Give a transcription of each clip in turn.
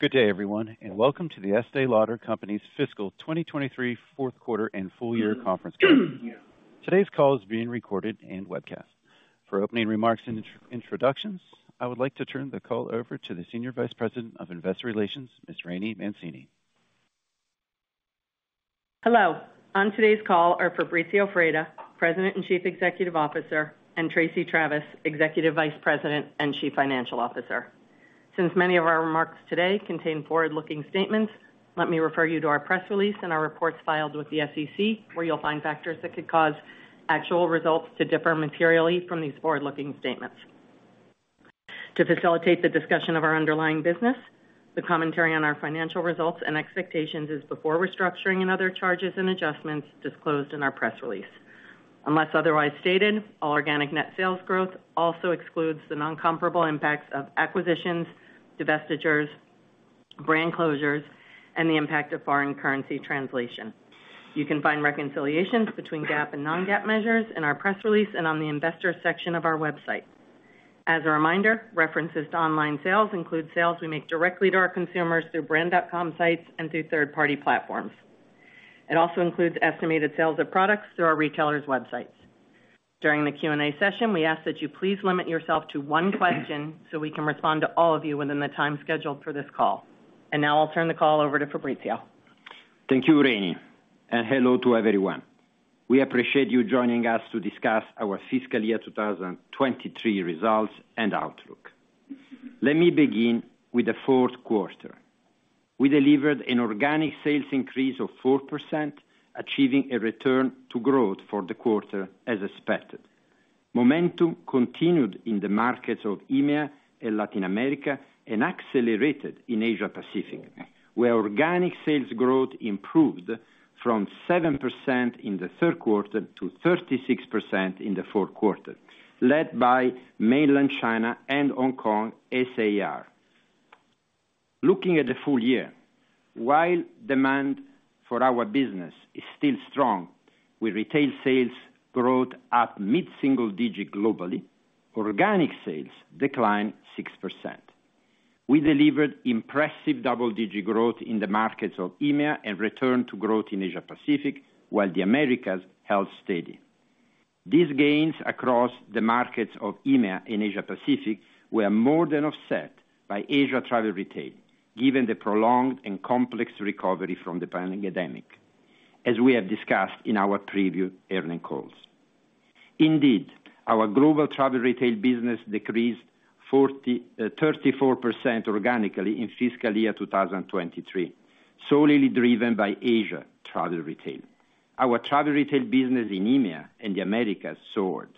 Good day, everyone, and welcome to the Estée Lauder Companies' fiscal 2023 fourth quarter and full year conference call. Today's call is being recorded and webcast. For opening remarks and introductions, I would like to turn the call over to the Senior Vice President of Investor Relations, Ms. Rainey Mancini. Hello. On today's call are Fabrizio Freda, President and Chief Executive Officer, and Tracey Travis, Executive Vice President and Chief Financial Officer. Since many of our remarks today contain forward-looking statements, let me refer you to our press release and our reports filed with the SEC, where you'll find factors that could cause actual results to differ materially from these forward-looking statements. To facilitate the discussion of our underlying business, the commentary on our financial results and expectations is before restructuring and other charges and adjustments disclosed in our press release. Unless otherwise stated, all organic net sales growth also excludes the non-comparable impacts of acquisitions, divestitures, brand closures, and the impact of foreign currency translation. You can find reconciliations between GAAP and non-GAAP measures in our press release and on the investor section of our website. As a reminder, references to online sales include sales we make directly to our consumers through brand.com sites and through third-party platforms. It also includes estimated sales of products through our retailers' websites. During the Q&A session, we ask that you please limit yourself to one question so we can respond to all of you within the time scheduled for this call. Now I'll turn the call over to Fabrizio. Thank you, Rainey, and hello to everyone. We appreciate you joining us to discuss our fiscal year 2023 results and outlook. Let me begin with the fourth quarter. We delivered an organic sales increase of 4%, achieving a return to growth for the quarter as expected. Momentum continued in the markets of EMEA and Latin America and accelerated in Asia Pacific, where organic sales growth improved from 7% in the third quarter to 36% in the fourth quarter, led by Mainland China and Hong Kong SAR. Looking at the full year, while demand for our business is still strong, with retail sales growth at mid-single digit globally, organic sales declined 6%. We delivered impressive double-digit growth in the markets of EMEA and returned to growth in Asia Pacific, while the Americas held steady. These gains across the markets of EMEA and Asia Pacific were more than offset by Asia travel retail, given the prolonged and complex recovery from the pandemic, as we have discussed in our previous earning calls. Indeed, our global travel retail business decreased 34% organically in fiscal year 2023, solely driven by Asia travel retail. Our travel retail business in EMEA and the Americas soared,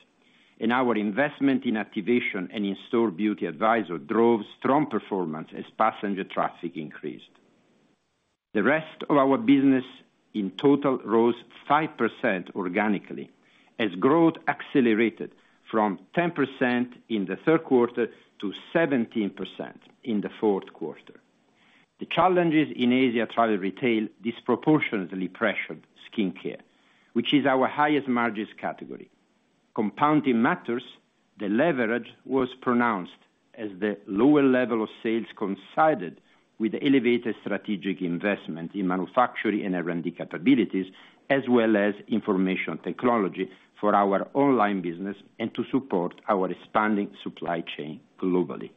and our investment in activation and in-store beauty advisor drove strong performance as passenger traffic increased. The rest of our business in total rose 5% organically, as growth accelerated from 10% in the third quarter to 17% in the fourth quarter. The challenges in Asia travel retail disproportionately pressured skincare, which is our highest margins category. Compounding matters, the leverage was pronounced as the lower level of sales coincided with elevated strategic investment in manufacturing and R&D capabilities, as well as information technology for our online business and to support our expanding supply chain globally.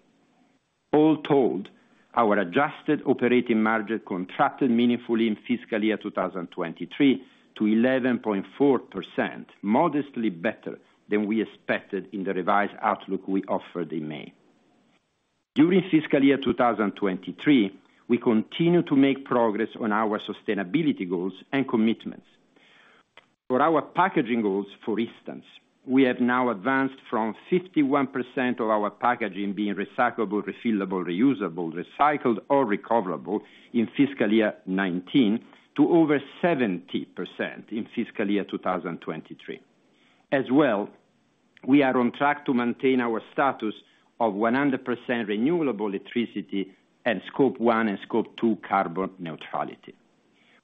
All told, our adjusted operating margin contracted meaningfully in fiscal year 2023 to 11.4%, modestly better than we expected in the revised outlook we offered in May. During fiscal year 2023, we continued to make progress on our sustainability goals and commitments. For our packaging goals, for instance, we have now advanced from 51% of our packaging being recyclable, refillable, reusable, recycled, or recoverable in fiscal year 2019 to over 70% in fiscal year 2023. As well, we are on track to maintain our status of 100% renewable electricity and Scope 1 and Scope 2 carbon neutrality.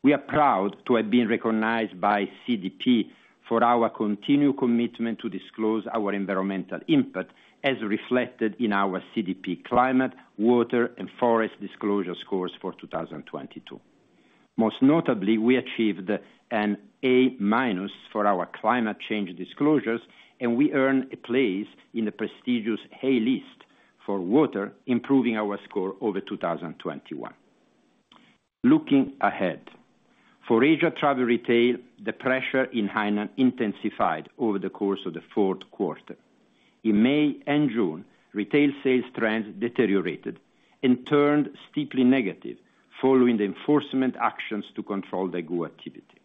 We are proud to have been recognized by CDP for our continued commitment to disclose our environmental impact, as reflected in our CDP Climate, Water, and Forest Disclosure scores for 2022. Most notably, we achieved an A-minus for our climate change disclosures, and we earned a place in the prestigious A List for water, improving our score over 2021. Looking ahead, for Asia Travel Retail, the pressure in Hainan intensified over the course of the fourth quarter. In May and June, retail sales trends deteriorated and turned steeply negative following the enforcement actions to control the daigou activity.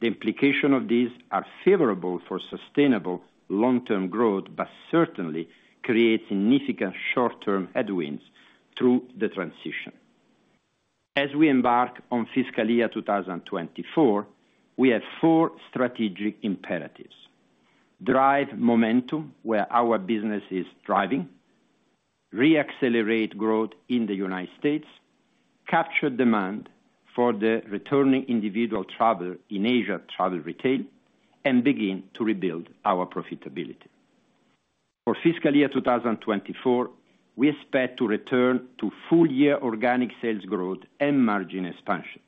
The implication of these are favorable for sustainable long-term growth, but certainly create significant short-term headwinds through the transition. As we embark on fiscal year 2024, we have four strategic imperatives: Drive momentum where our business is thriving, re-accelerate growth in the United States, capture demand for the returning individual travel in Asia travel retail, and begin to rebuild our profitability. For fiscal year 2024, we expect to return to full year organic sales growth and margin expansion,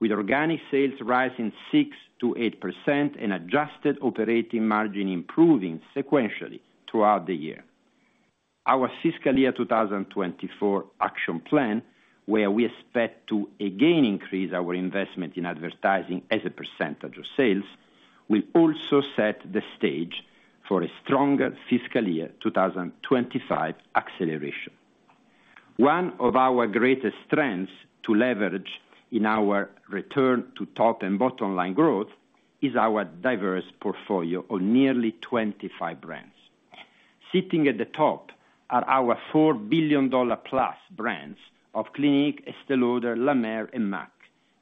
with organic sales rising 6%-8% and adjusted operating margin improving sequentially throughout the year. Our fiscal year 2024 action plan, where we expect to again increase our investment in advertising as a % of sales, will also set the stage for a stronger fiscal year 2025 acceleration. One of our greatest strengths to leverage in our return to top and bottom line growth is our diverse portfolio of nearly 25 brands. Sitting at the top are our four billion dollar plus brands of Clinique, Estée Lauder, La Mer, and M.A.C,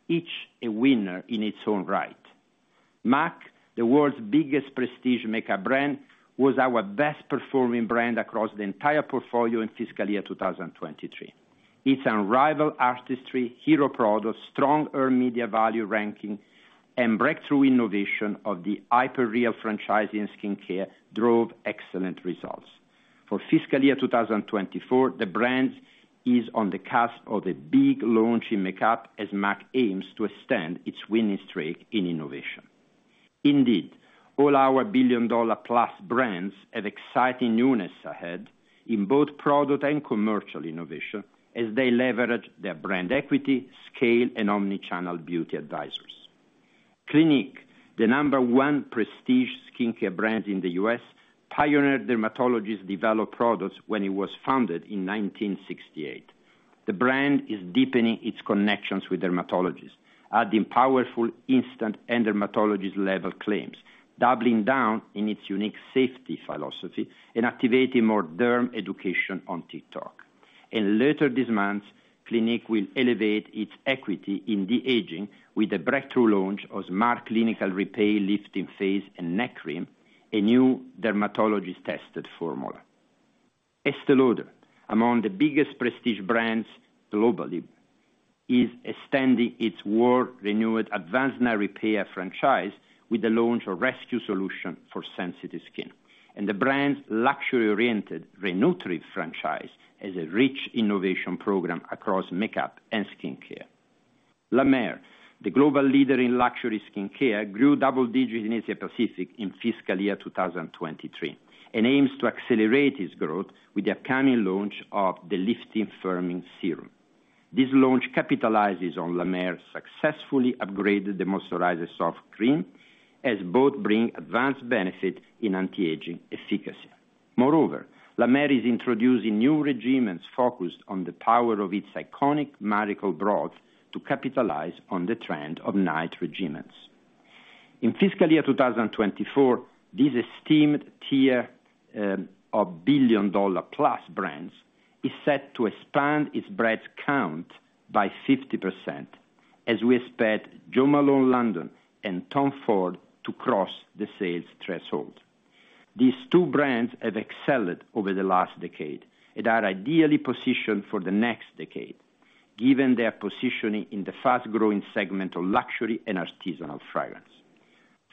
each a winner in its own right. M.A.C, the world's biggest prestige makeup brand, was our best performing brand across the entire portfolio in fiscal year 2023. Its unrivaled artistry, hero products, strong earned media value ranking, and breakthrough innovation of the Hyper Real skincare franchise drove excellent results. For fiscal year 2024, the brand is on the cusp of a big launch in makeup as M.A.C aims to extend its winning streak in innovation. Indeed, all our billion dollar plus brands have exciting newness ahead in both product and commercial innovation as they leverage their brand equity, scale, and omni-channel beauty advisors. Clinique, the number one prestige skincare brand in the U.S., pioneered dermatologist-developed products when it was founded in 1968. The brand is deepening its connections with dermatologists, adding powerful, instant, and dermatologist level claims, doubling down in its unique safety philosophy, activating more derm education on TikTok. Later this month, Clinique will elevate its equity in de-aging with a breakthrough launch of Smart Clinical Repair Lifting Face and Neck Cream, a new dermatologist-tested formula. Estée Lauder, among the biggest prestige brands globally, is extending its world-renowned Advanced Night Repair franchise with the launch of Rescue Solution for sensitive skin, and the brand's luxury-oriented Re-Nutriv franchise has a rich innovation program across makeup and skincare. La Mer, the global leader in luxury skincare, grew double digits in Asia Pacific in fiscal year 2023, and aims to accelerate its growth with the upcoming launch of the Lifting Firming Serum. This launch capitalizes on La Mer successfully upgraded The Moisturizing Soft Cream, as both bring advanced benefit in anti-aging efficacy. Moreover, La Mer is introducing new regimens focused on the power of its iconic Miracle Broth to capitalize on the trend of night regimens. In fiscal year 2024, this esteemed tier of billion dollar plus brands is set to expand its brand count by 50% as we expect Jo Malone London and Tom Ford to cross the sales threshold. These two brands have excelled over the last decade and are ideally positioned for the next decade, given their positioning in the fast-growing segment of luxury and artisanal fragrance.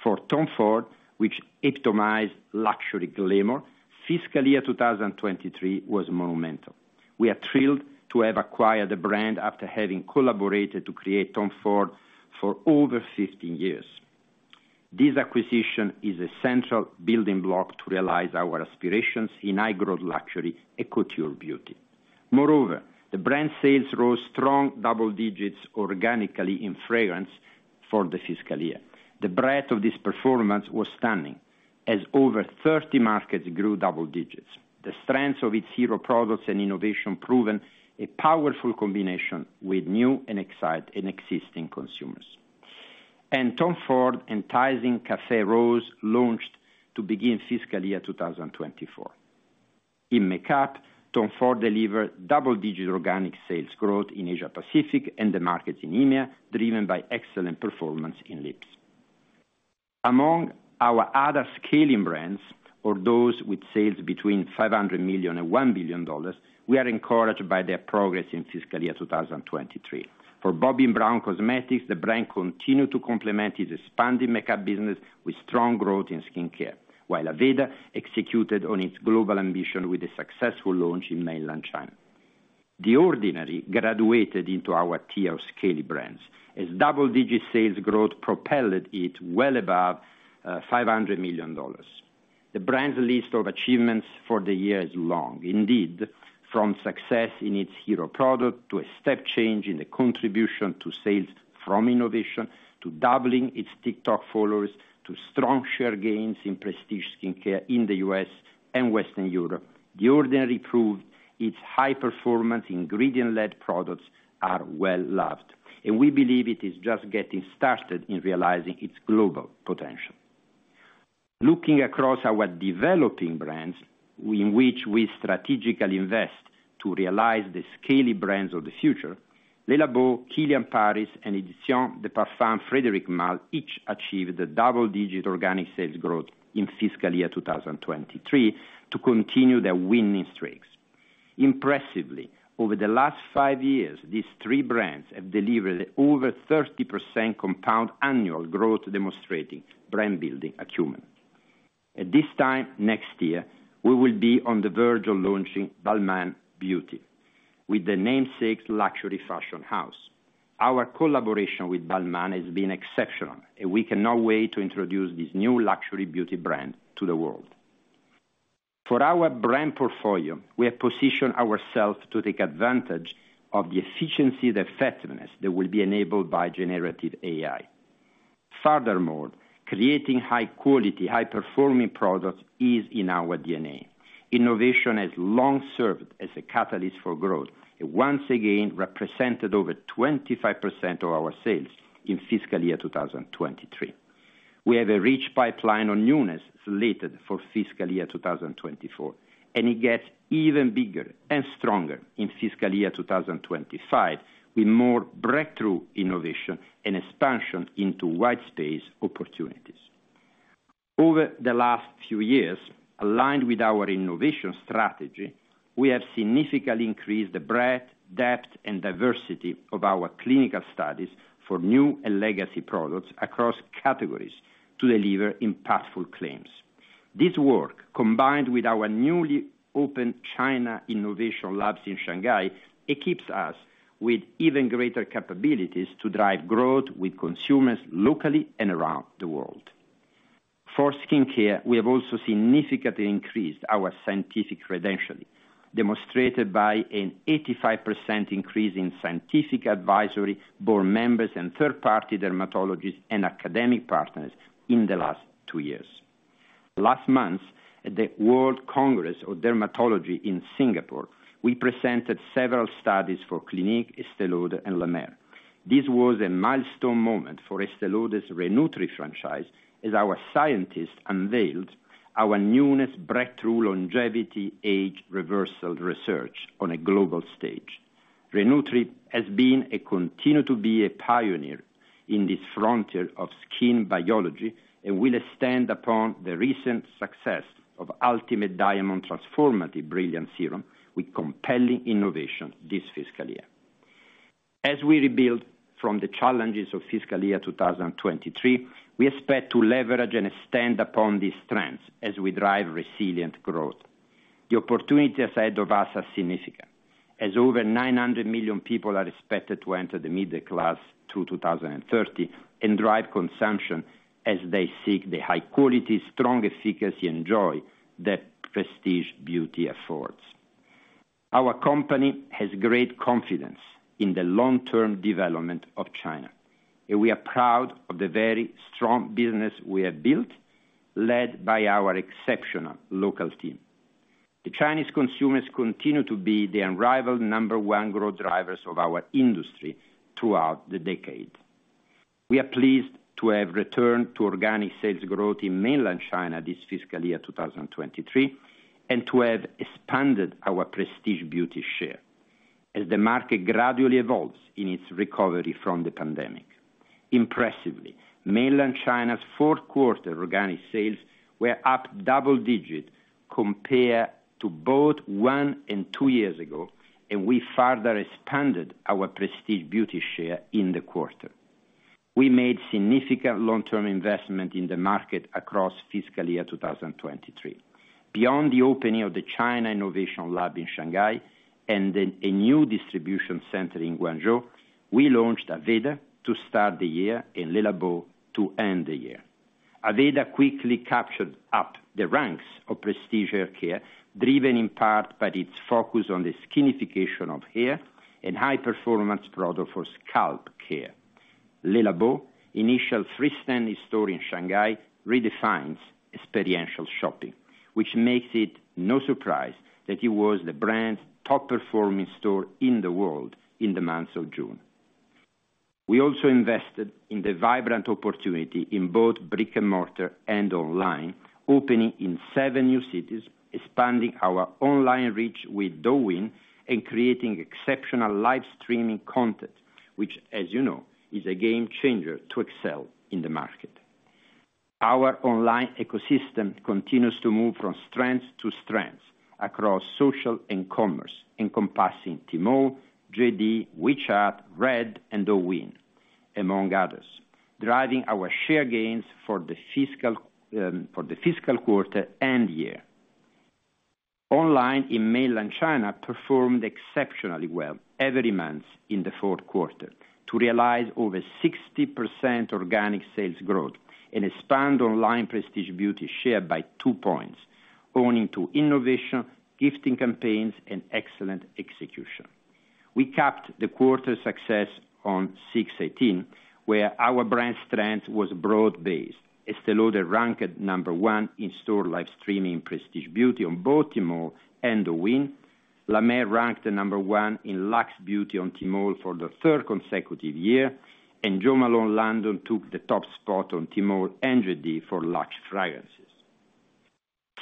For Tom Ford, which epitomized luxury glamour, fiscal year 2023 was monumental. We are thrilled to have acquired the brand after having collaborated to create Tom Ford for over 15 years. This acquisition is a central building block to realize our aspirations in high-growth luxury and couture beauty. Moreover, the brand sales rose strong double digits organically in fragrance for the fiscal year. The breadth of this performance was stunning, as over 30 markets grew double digits. The strengths of its hero products and innovation proven a powerful combination with new and existing consumers. Tom Ford enticing Cafe Rose launched to begin fiscal year 2024. In makeup, Tom Ford delivered double-digit organic sales growth in Asia Pacific and the markets in India, driven by excellent performance in lips. Among our other scaling brands, or those with sales between $500 million and $1 billion, we are encouraged by their progress in fiscal year 2023. For Bobbi Brown Cosmetics, the brand continued to complement its expanding makeup business with strong growth in skincare, while Aveda executed on its global ambition with a successful launch in Mainland China. The Ordinary graduated into our tier of scaling brands, as double-digit sales growth propelled it well above $500 million. The brand's list of achievements for the year is long. Indeed, from success in its hero product, to a step change in the contribution to sales from innovation, to doubling its TikTok followers, to strong share gains in prestige skincare in the U.S. and Western Europe, The Ordinary proved its high performance ingredient-led products are well loved, and we believe it is just getting started in realizing its global potential. Looking across our developing brands, in which we strategically invest to realize the scaling brands of the future, Le Labo, Kilian Paris, and Editions de Parfums Frédéric Mall each achieved a double-digit organic sales growth in fiscal year 2023 to continue their winning streaks. Impressively, over the last five years, these three brands have delivered over 30% compound annual growth, demonstrating brand building acumen. At this time next year, we will be on the verge of launching Balmain Beauty with the namesake luxury fashion house. Our collaboration with Balmain has been exceptional, and we cannot wait to introduce this new luxury beauty brand to the world. For our brand portfolio, we have positioned ourselves to take advantage of the efficiency and effectiveness that will be enabled by generative AI. Furthermore, creating high quality, high-performing products is in our DNA. Innovation has long served as a catalyst for growth. Once again, represented over 25% of our sales in fiscal year 2023. We have a rich pipeline on newness slated for fiscal year 2024, and it gets even bigger and stronger in fiscal year 2025, with more breakthrough innovation and expansion into wide space opportunities. Over the last few years, aligned with our innovation strategy, we have significantly increased the breadth, depth and diversity of our clinical studies for new and legacy products across categories to deliver impactful claims. This work, combined with our newly opened China innovation labs in Shanghai, equips us with even greater capabilities to drive growth with consumers locally and around the world. For skincare, we have also significantly increased our scientific credentialing, demonstrated by an 85% increase in scientific advisory board members and third-party dermatologists and academic partners in the last two years. Last month, at the World Congress of Dermatology in Singapore, we presented several studies for Clinique, Estée Lauder, and La Mer. This was a milestone moment for Estée Lauder's Re-Nutriv franchise, as our scientists unveiled our newness breakthrough longevity age reversal research on a global stage. Re-Nutriv has been and continue to be a pioneer in this frontier of skin biology, and will stand upon the recent success of Ultimate Diamond Transformative Brilliance Serum with compelling innovation this fiscal year. As we rebuild from the challenges of fiscal year 2023, we expect to leverage and stand upon these strengths as we drive resilient growth. The opportunities ahead of us are significant, as over 900 million people are expected to enter the middle class through 2030, and drive consumption as they seek the high quality, strong efficacy, and joy that prestige beauty affords. Our company has great confidence in the long-term development of China, and we are proud of the very strong business we have built, led by our exceptional local team. The Chinese consumers continue to be the unrivaled number one growth drivers of our industry throughout the decade. We are pleased to have returned to organic sales growth in Mainland China this fiscal year, 2023, and to have expanded our prestige beauty share as the market gradually evolves in its recovery from the pandemic. Impressively, Mainland China's 4th quarter organic sales were up double digits compared to both one and two years ago. We further expanded our prestige beauty share in the quarter. We made significant long-term investment in the market across fiscal year 2023. Beyond the opening of the China Innovation Lab in Shanghai, and then a new distribution center in Guangzhou, we launched Aveda to start the year, and Le Labo to end the year. Aveda quickly captured up the ranks of prestige hair care, driven in part by its focus on the skinification of hair and high performance product for scalp care. Le Labo, initial freestanding store in Shanghai redefines experiential shopping, which makes it no surprise that it was the brand's top performing store in the world in the month of June. We also invested in the vibrant opportunity in both brick-and-mortar and online, opening in seven new cities, expanding our online reach with Douyin, and creating exceptional live streaming content, which, as you know, is a game changer to excel in the market. Our online ecosystem continues to move from strength to strength across social and commerce, encompassing Tmall, JD, WeChat, Red, and Douyin, among others, driving our share gains for the fiscal, for the fiscal quarter and year. Online in Mainland China performed exceptionally well every month in the fourth quarter to realize over 60% organic sales growth and expand online prestige beauty share by two points, owing to innovation, gifting campaigns, and excellent execution. We capped the quarter success on 6.18, where our brand strength was broad-based. Estée Lauder ranked number 1 in store live streaming prestige beauty on both Tmall and Douyin. La Mer ranked the number one in luxe beauty on Tmall for the third consecutive year, and Jo Malone London took the top spot on Tmall and JD for luxe fragrances.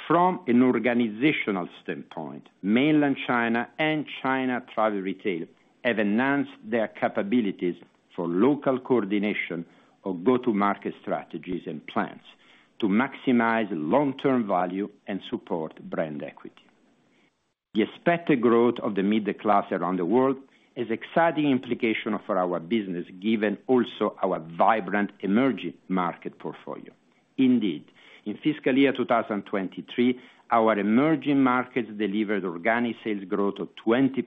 From an organizational standpoint, Mainland China and China travel retail have enhanced their capabilities for local coordination of go-to-market strategies and plans to maximize long-term value and support brand equity. The expected growth of the middle class around the world is exciting implication for our business, given also our vibrant emerging market portfolio. Indeed, in fiscal year 2023, our emerging markets delivered organic sales growth of 20%,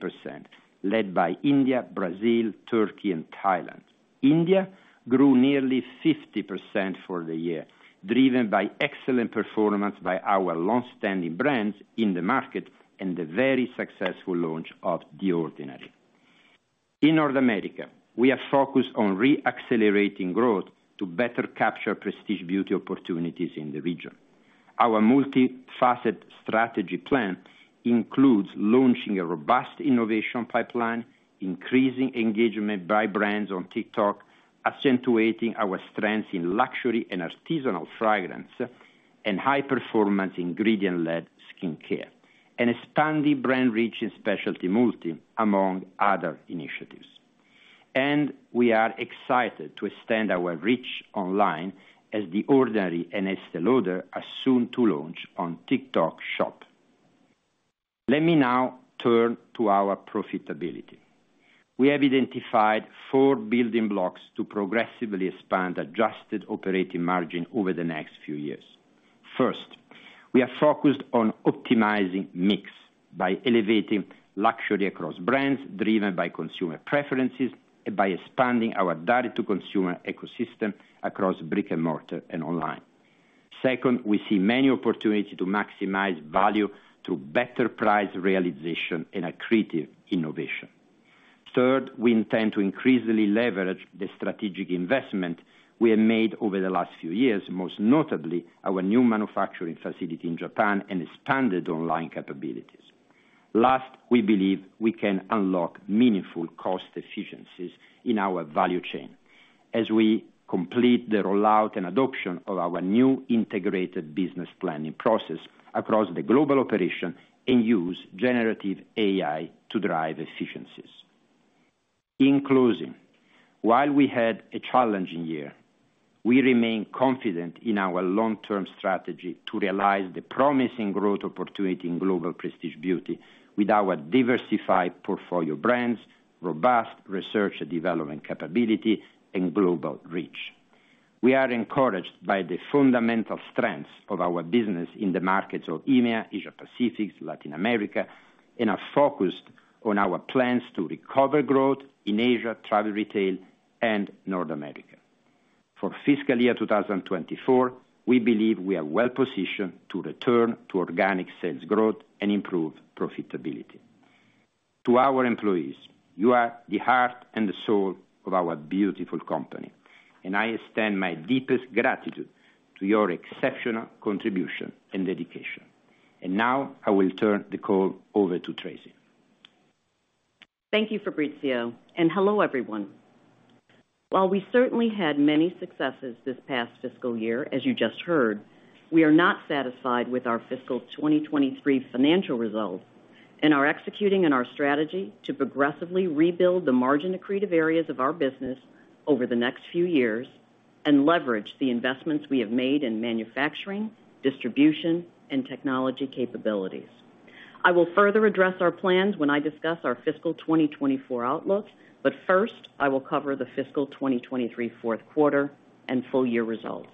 led by India, Brazil, Turkey and Thailand. India grew nearly 50% for the year, driven by excellent performance by our long-standing brands in the market and the very successful launch of The Ordinary. In North America, we are focused on re-accelerating growth to better capture prestige beauty opportunities in the region. Our multifaceted strategy plan includes launching a robust innovation pipeline, increasing engagement by brands on TikTok, accentuating our strengths in luxury and artisanal fragrance, and high performance ingredient-led skincare, and expanding brand reach in specialty multi, among other initiatives. We are excited to extend our reach online as The Ordinary and Estée Lauder are soon to launch on TikTok Shop. Let me now turn to our profitability. We have identified four building blocks to progressively expand adjusted operating margin over the next few years. First, we are focused on optimizing mix by elevating luxury across brands, driven by consumer preferences, and by expanding our direct-to-consumer ecosystem across brick and mortar and online. Second, we see many opportunities to maximize value through better price realization and accretive innovation. Third, we intend to increasingly leverage the strategic investment we have made over the last few years, most notably our new manufacturing facility in Japan and expanded online capabilities. Last, we believe we can unlock meaningful cost efficiencies in our value chain as we complete the rollout and adoption of our new integrated business planning process across the global operation and use generative AI to drive efficiencies. In closing, while we had a challenging year, we remain confident in our long-term strategy to realize the promising growth opportunity in global prestige beauty with our diversified portfolio brands, robust research and development capability, and global reach. We are encouraged by the fundamental strengths of our business in the markets of EMEA, Asia Pacific, Latin America, and are focused on our plans to recover growth in Asia, travel retail, and North America. For fiscal year 2024, we believe we are well positioned to return to organic sales growth and improve profitability. To our employees, you are the heart and the soul of our beautiful company. I extend my deepest gratitude to your exceptional contribution and dedication. Now I will turn the call over to Tracey. Thank you, Fabrizio, and hello, everyone. While we certainly had many successes this past fiscal year, as you just heard, we are not satisfied with our fiscal 2023 financial results and are executing on our strategy to progressively rebuild the margin accretive areas of our business over the next few years and leverage the investments we have made in manufacturing, distribution, and technology capabilities. I will further address our plans when I discuss our fiscal 2024 outlook, but first, I will cover the fiscal 2023 fourth quarter and full year results.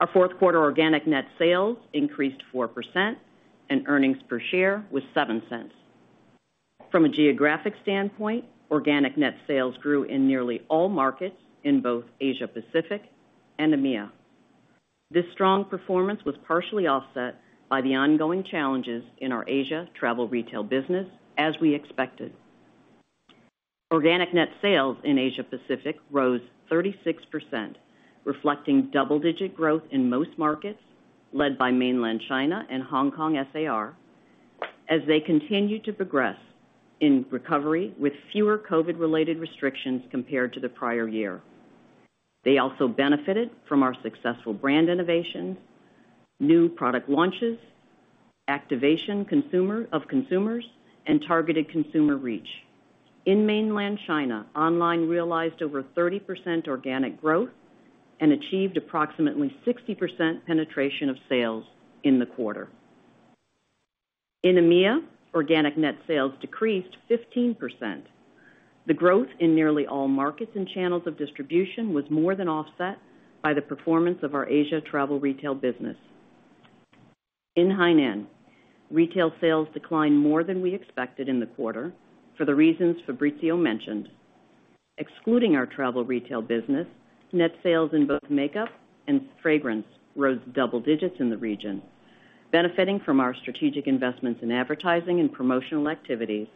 Our fourth quarter organic net sales increased 4%, and earnings per share was $0.07. From a geographic standpoint, organic net sales grew in nearly all markets in both Asia Pacific and EMEA. This strong performance was partially offset by the ongoing challenges in our Asia travel retail business, as we expected. Organic net sales in Asia Pacific rose 36%, reflecting double-digit growth in most markets, led by Mainland China and Hong Kong SAR, as they continued to progress in recovery with fewer COVID-related restrictions compared to the prior year. They also benefited from our successful brand innovations, new product launches, activation of consumers, and targeted consumer reach. In Mainland China, online realized over 30% organic growth and achieved approximately 60% penetration of sales in the quarter. In EMEA, organic net sales decreased 15%. The growth in nearly all markets and channels of distribution was more than offset by the performance of our Asia travel retail business. In Hainan, retail sales declined more than we expected in the quarter for the reasons Fabrizio mentioned. Excluding our travel retail business, net sales in both makeup and fragrance rose double digits in the region, benefiting from our strategic investments in advertising and promotional activities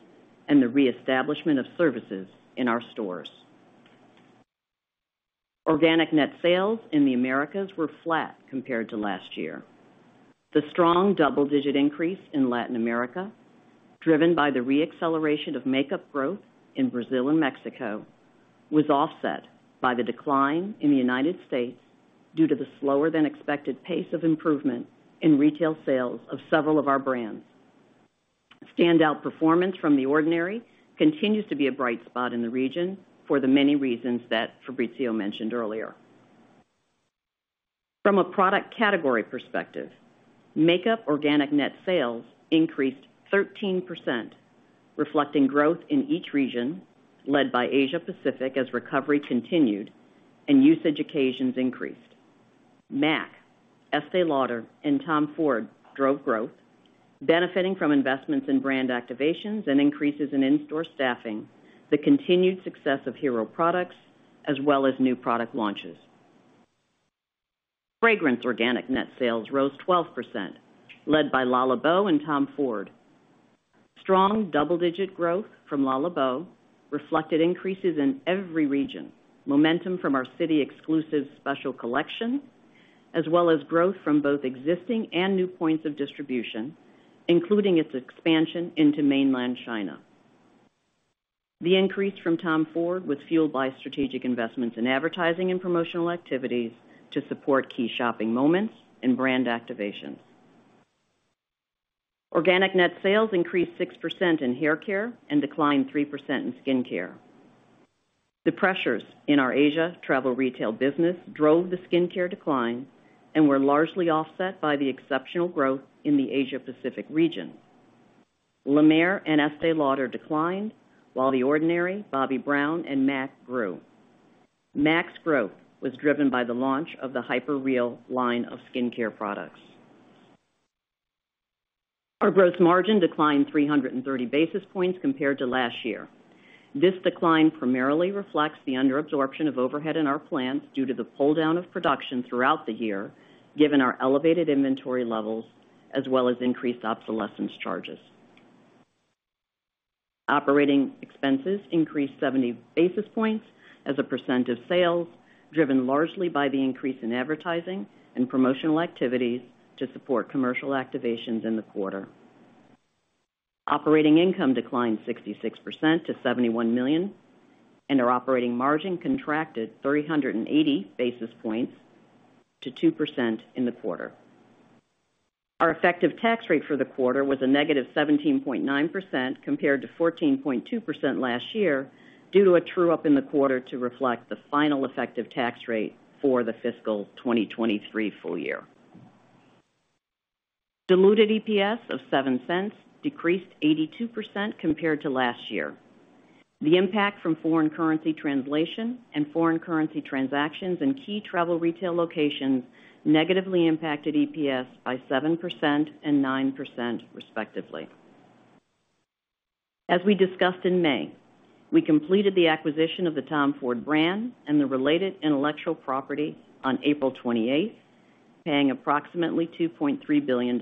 and the reestablishment of services in our stores. Organic net sales in the Americas were flat compared to last year. The strong double-digit increase in Latin America, driven by the re-acceleration of makeup growth in Brazil and Mexico, was offset by the decline in the United States due to the slower than expected pace of improvement in retail sales of several of our brands. Standout performance from The Ordinary continues to be a bright spot in the region for the many reasons that Fabrizio mentioned earlier. From a product category perspective, makeup organic net sales increased 13%, reflecting growth in each region, led by Asia Pacific, as recovery continued and usage occasions increased. M.A.C, Estée Lauder, and Tom Ford drove growth, benefiting from investments in brand activations and increases in in-store staffing, the continued success of hero products, as well as new product launches. Fragrance organic net sales rose 12%, led by Le Labo and Tom Ford. Strong double-digit growth from Le Labo reflected increases in every region, momentum from our city-exclusive special collection, as well as growth from both existing and new points of distribution, including its expansion into Mainland China. The increase from Tom Ford was fueled by strategic investments in advertising and promotional activities to support key shopping moments and brand activations. Organic net sales increased 6% in hair care and declined 3% in skin care. The pressures in our Asia travel retail business drove the skin care decline and were largely offset by the exceptional growth in the Asia Pacific region. La Mer and Estée Lauder declined, while The Ordinary, Bobbi Brown, and M.A.C grew. M.A.C's growth was driven by the launch of the Hyper Real skincare franchise. Our gross margin declined 330 basis points compared to last year. This decline primarily reflects the underabsorption of overhead in our plants due to the pull-down of production throughout the year, given our elevated inventory levels, as well as increased obsolescence charges. Operating expenses increased 70 basis points as a % of sales, driven largely by the increase in advertising and promotional activities to support commercial activations in the quarter. Operating income declined 66% to $71 million, and our operating margin contracted 380 basis points to 2% in the quarter. Our effective tax rate for the quarter was a negative 17.9%, compared to 14.2% last year, due to a true-up in the quarter to reflect the final effective tax rate for the fiscal 2023 full year. Diluted EPS of $0.07 decreased 82% compared to last year. The impact from foreign currency translation and foreign currency transactions in key travel retail locations negatively impacted EPS by 7% and 9%, respectively. As we discussed in May, we completed the acquisition of the Tom Ford brand and the related intellectual property on April 28th, paying approximately $2.3 billion.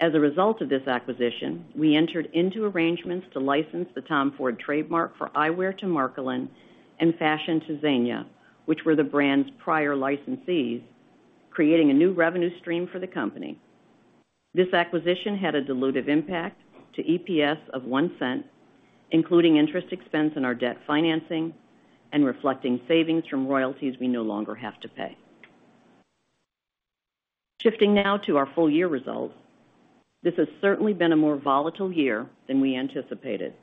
As a result of this acquisition, we entered into arrangements to license the Tom Ford trademark for eyewear to Marcolin and fashion to Zegna, which were the brand's prior licensees, creating a new revenue stream for the company. This acquisition had a dilutive impact to EPS of $0.01, including interest expense in our debt financing and reflecting savings from royalties we no longer have to pay. Shifting now to our full year results. This has certainly been a more volatile year than we anticipated.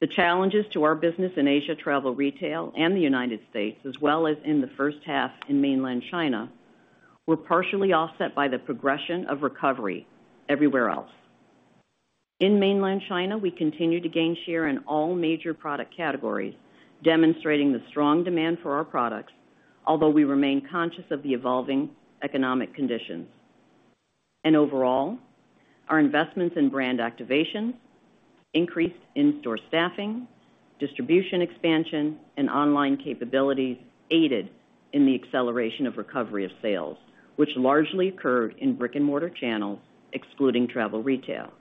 The challenges to our business in Asia Travel Retail and the United States, as well as in the first half in Mainland China, were partially offset by the progression of recovery everywhere else. In Mainland China, we continued to gain share in all major product categories, demonstrating the strong demand for our products, although we remain conscious of the evolving economic conditions. Overall, our investments in brand activation, increased in-store staffing, distribution expansion, and online capabilities aided in the acceleration of recovery of sales, which largely occurred in brick-and-mortar channels, excluding Travel Retail.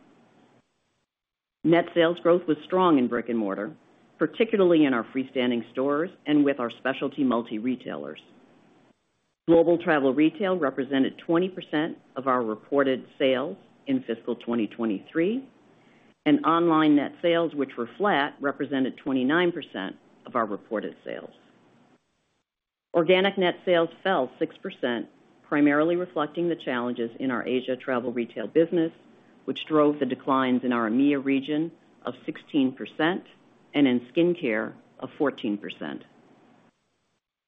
Net sales growth was strong in brick-and-mortar, particularly in our freestanding stores and with our specialty multi-retailers. Global travel retail represented 20% of our reported sales in fiscal 2023, and online net sales, which were flat, represented 29% of our reported sales. Organic net sales fell 6%, primarily reflecting the challenges in our Asia travel retail business, which drove the declines in our EMEA region of 16% and in skincare of 14%.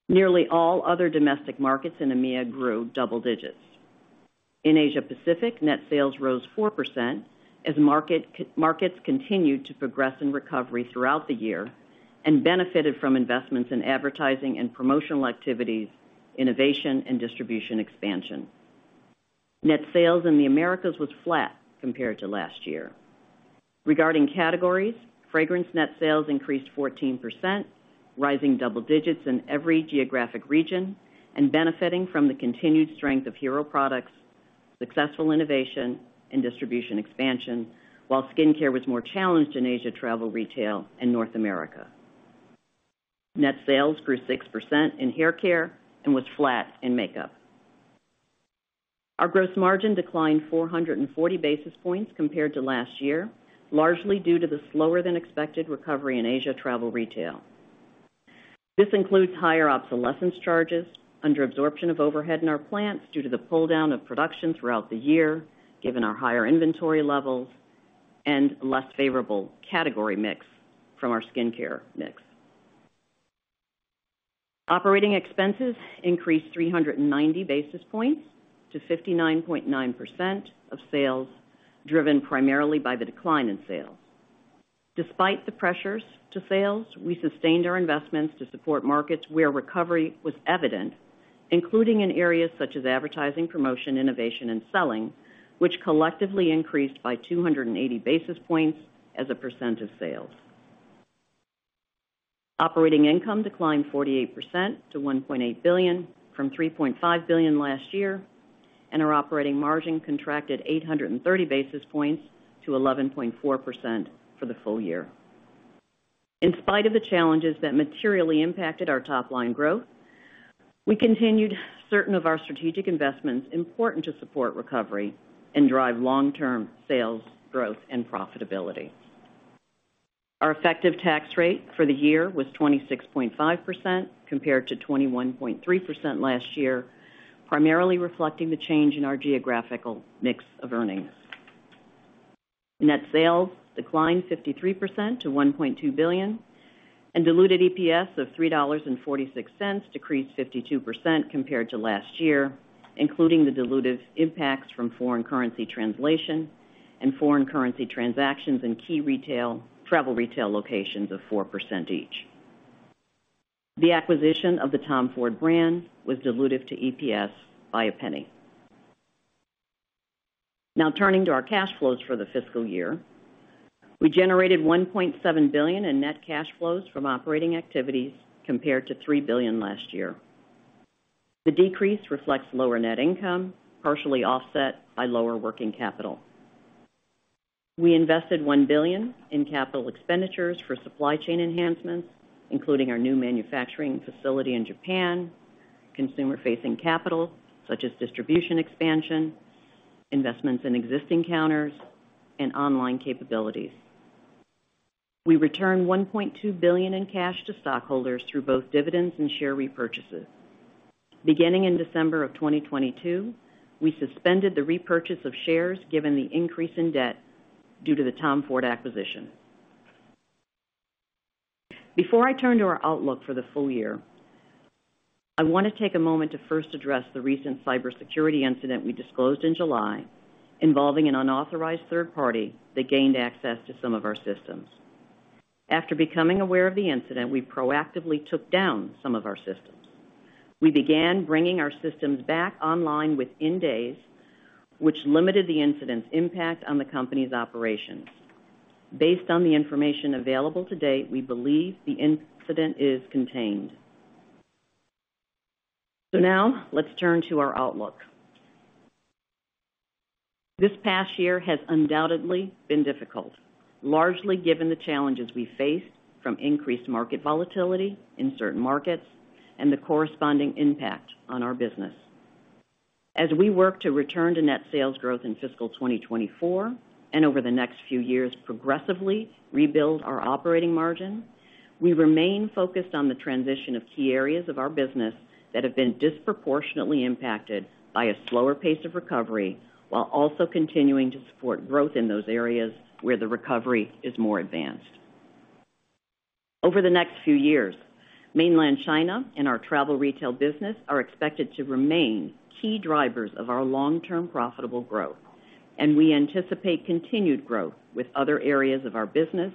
Nearly all other domestic markets in EMEA grew double digits. In Asia Pacific, net sales rose 4% as markets continued to progress in recovery throughout the year and benefited from investments in advertising and promotional activities, innovation, and distribution expansion. Net sales in the Americas was flat compared to last year. Regarding categories, fragrance net sales increased 14%, rising double digits in every geographic region and benefiting from the continued strength of hero products, successful innovation, and distribution expansion, while skincare was more challenged in Asia Travel Retail and North America. Net sales grew 6% in hair care and was flat in makeup. Our gross margin declined 440 basis points compared to last year, largely due to the slower-than-expected recovery in Asia Travel Retail. This includes higher obsolescence charges, underabsorption of overhead in our plants due to the pull-down of production throughout the year, given our higher inventory levels and less favorable category mix from our skincare mix. Operating expenses increased 390 basis points to 59.9% of sales, driven primarily by the decline in sales. Despite the pressures to sales, we sustained our investments to support markets where recovery was evident, including in areas such as advertising, promotion, innovation, and selling, which collectively increased by 280 basis points as a % of sales. Operating income declined 48% to $1.8 billion from $3.5 billion last year, and our operating margin contracted 830 basis points to 11.4% for the full year. In spite of the challenges that materially impacted our top line growth, we continued certain of our strategic investments important to support recovery and drive long-term sales growth and profitability. Our effective tax rate for the year was 26.5%, compared to 21.3% last year, primarily reflecting the change in our geographical mix of earnings. Net sales declined 53% to $1.2 billion, and diluted EPS of $3.46, decreased 52% compared to last year, including the dilutive impacts from foreign currency translation and foreign currency transactions in key travel retail locations of 4% each. The acquisition of the Tom Ford brand was dilutive to EPS by $0.01. Turning to our cash flows for the fiscal year. We generated $1.7 billion in net cash flows from operating activities, compared to $3 billion last year. The decrease reflects lower net income, partially offset by lower working capital. We invested $1 billion in capital expenditures for supply chain enhancements, including our new manufacturing facility in Japan, consumer-facing capital such as distribution expansion, investments in existing counters, and online capabilities. We returned $1.2 billion in cash to stockholders through both dividends and share repurchases. Beginning in December of 2022, we suspended the repurchase of shares, given the increase in debt due to the Tom Ford acquisition. Before I turn to our outlook for the full year, I want to take a moment to first address the recent cybersecurity incident we disclosed in July, involving an unauthorized third party that gained access to some of our systems. After becoming aware of the incident, we proactively took down some of our systems. We began bringing our systems back online within days, which limited the incident's impact on the company's operations. Based on the information available to date, we believe the incident is contained. Now let's turn to our outlook. This past year has undoubtedly been difficult, largely given the challenges we faced from increased market volatility in certain markets and the corresponding impact on our business. As we work to return to net sales growth in fiscal 2024 and over the next few years, progressively rebuild our operating margin, we remain focused on the transition of key areas of our business that have been disproportionately impacted by a slower pace of recovery, while also continuing to support growth in those areas where the recovery is more advanced. Over the next few years, Mainland China and our travel retail business are expected to remain key drivers of our long-term profitable growth, and we anticipate continued growth with other areas of our business,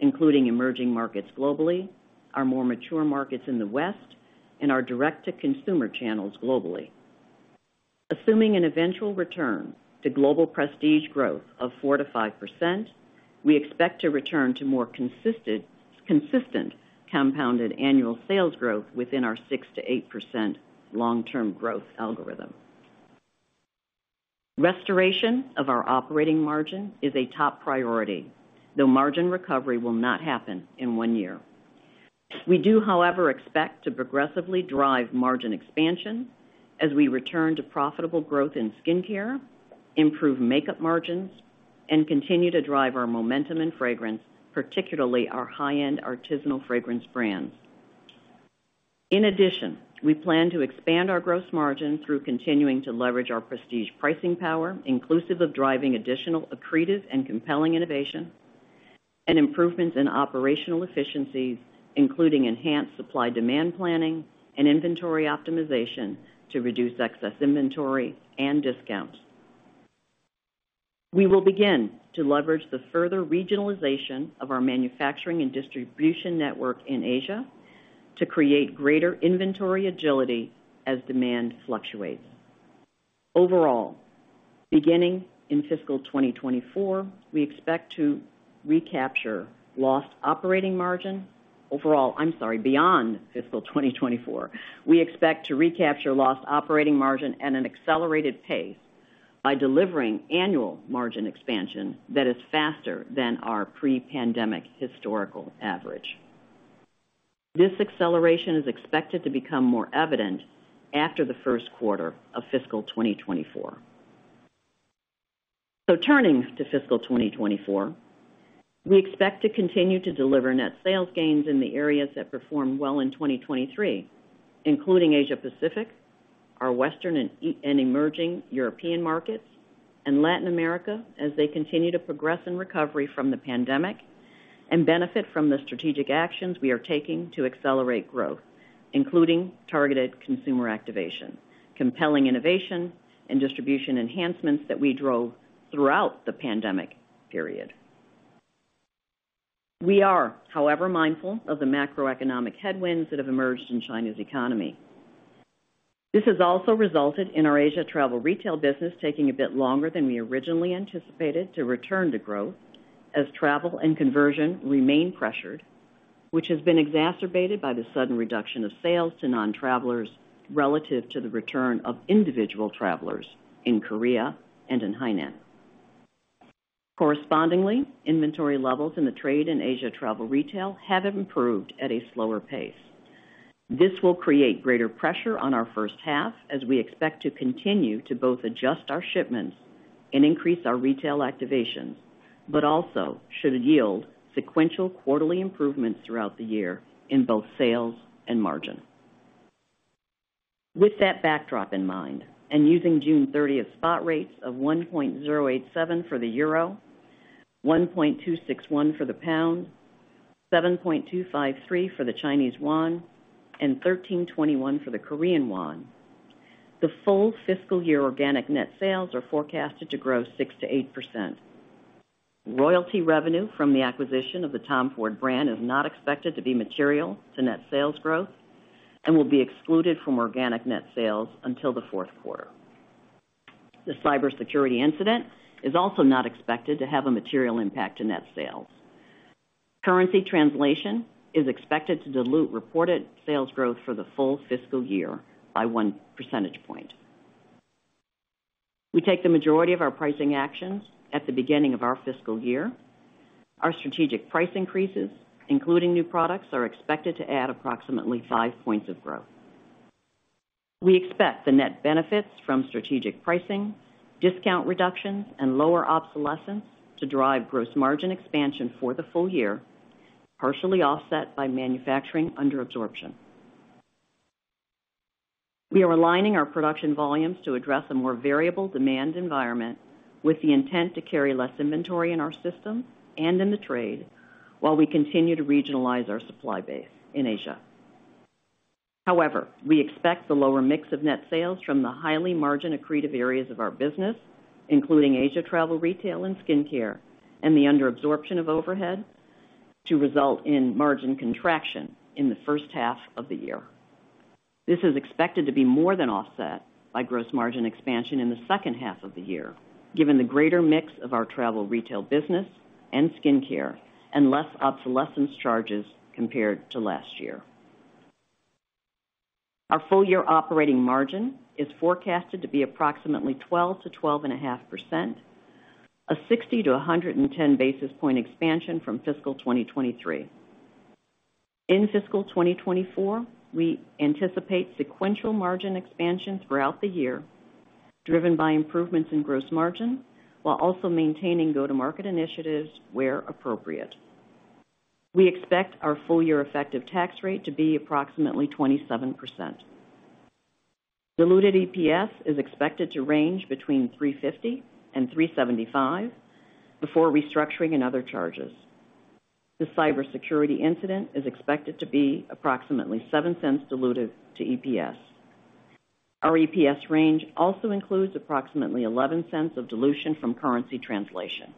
including emerging markets globally, our more mature markets in the West, and our direct-to-consumer channels globally. Assuming an eventual return to global prestige growth of 4%-5%, we expect to return to more consistent compounded annual sales growth within our 6%-8% long-term growth algorithm. Restoration of our operating margin is a top priority, though margin recovery will not happen in one year. We do, however, expect to progressively drive margin expansion as we return to profitable growth in skincare, improve makeup margins, and continue to drive our momentum in fragrance, particularly our high-end artisanal fragrance brands. In addition, we plan to expand our gross margin through continuing to leverage our prestige pricing power, inclusive of driving additional accretive and compelling innovation and improvements in operational efficiencies, including enhanced supply demand planning and inventory optimization to reduce excess inventory and discounts. We will begin to leverage the further regionalization of our manufacturing and distribution network in Asia to create greater inventory agility as demand fluctuates. Overall, beginning in fiscal 2024, we expect to recapture lost operating margin. I'm sorry, beyond fiscal 2024, we expect to recapture lost operating margin at an accelerated pace by delivering annual margin expansion that is faster than our pre-pandemic historical average. This acceleration is expected to become more evident after the first quarter of fiscal 2024. Turning to fiscal 2024. We expect to continue to deliver net sales gains in the areas that performed well in 2023, including Asia Pacific, our Western and emerging European markets, and Latin America, as they continue to progress in recovery from the pandemic and benefit from the strategic actions we are taking to accelerate growth, including targeted consumer activation, compelling innovation and distribution enhancements that we drove throughout the pandemic period. We are, however, mindful of the macroeconomic headwinds that have emerged in China's economy. This has also resulted in our Asia travel retail business taking a bit longer than we originally anticipated to return to growth, as travel and conversion remain pressured, which has been exacerbated by the sudden reduction of sales to non-travelers relative to the return of individual travelers in Korea and in Hainan. Correspondingly, inventory levels in the trade and Asia travel retail have improved at a slower pace. This will create greater pressure on our first half as we expect to continue to both adjust our shipments and increase our retail activations, but also should yield sequential quarterly improvements throughout the year in both sales and margin. With that backdrop in mind, and using June 30th spot rates of 1.087 for the euro, 1.261 for the pound, 7.253 for the Chinese yuan, and 1,321 for the Korean won, the full fiscal year organic net sales are forecasted to grow 6%-8%. Royalty revenue from the acquisition of the Tom Ford brand is not expected to be material to net sales growth and will be excluded from organic net sales until the fourth quarter. The cybersecurity incident is also not expected to have a material impact to net sales. Currency translation is expected to dilute reported sales growth for the full fiscal year by 1 percentage point. We take the majority of our pricing actions at the beginning of our fiscal year. Our strategic price increases, including new products, are expected to add approximately 5 points of growth. We expect the net benefits from strategic pricing, discount reductions, and lower obsolescence to drive gross margin expansion for the full year, partially offset by manufacturing under absorption. We are aligning our production volumes to address a more variable demand environment with the intent to carry less inventory in our system and in the trade, while we continue to regionalize our supply base in Asia. However, we expect the lower mix of net sales from the highly margin-accretive areas of our business, including Asia travel, retail, and skincare, and the under absorption of overhead to result in margin contraction in the first half of the year. This is expected to be more than offset by gross margin expansion in the second half of the year, given the greater mix of our Travel Retail business and skincare, and less obsolescence charges compared to last year. Our full-year operating margin is forecasted to be approximately 12%-12.5%, a 60 basis points-110 basis points expansion from fiscal 2023. In fiscal 2024, we anticipate sequential margin expansion throughout the year, driven by improvements in gross margin, while also maintaining go-to-market initiatives where appropriate. We expect our full-year effective tax rate to be approximately 27%. Diluted EPS is expected to range between $3.50 and $3.75 before restructuring and other charges. The cybersecurity incident is expected to be approximately $0.07 diluted to EPS. Our EPS range also includes approximately $0.11 of dilution from currency translation.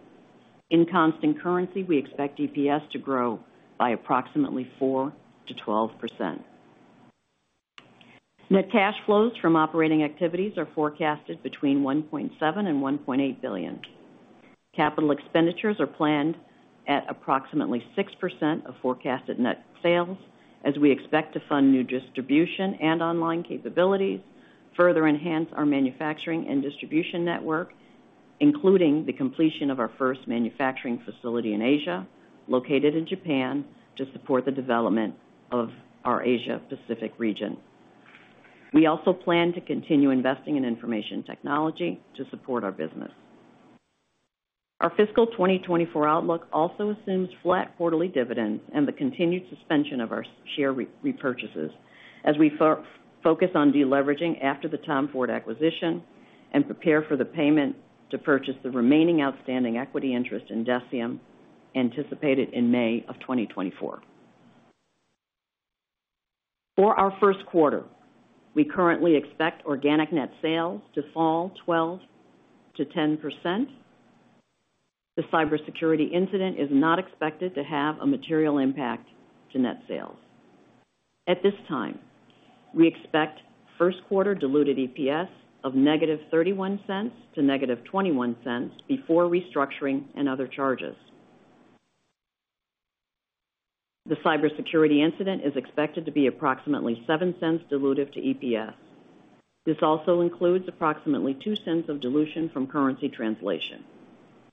In constant currency, we expect EPS to grow by approximately 4%-12%. Net cash flows from operating activities are forecasted between $1.7 billion and $1.8 billion. Capital expenditures are planned at approximately 6% of forecasted net sales, as we expect to fund new distribution and online capabilities, further enhance our manufacturing and distribution network, including the completion of our first manufacturing facility in Asia, located in Japan, to support the development of our Asia Pacific region. We also plan to continue investing in information technology to support our business. Our fiscal 2024 outlook also assumes flat quarterly dividends and the continued suspension of our share repurchases as we focus on deleveraging after the Tom Ford acquisition and prepare for the payment to purchase the remaining outstanding equity interest in DECIEM, anticipated in May of 2024. For our first quarter, we currently expect organic net sales to fall -12% to -10%. The cybersecurity incident is not expected to have a material impact to net sales. At this time, we expect first quarter diluted EPS of -$0.31 to -$0.21 before restructuring and other charges. The cybersecurity incident is expected to be approximately $0.07 dilutive to EPS. This also includes approximately $0.02 of dilution from currency translation.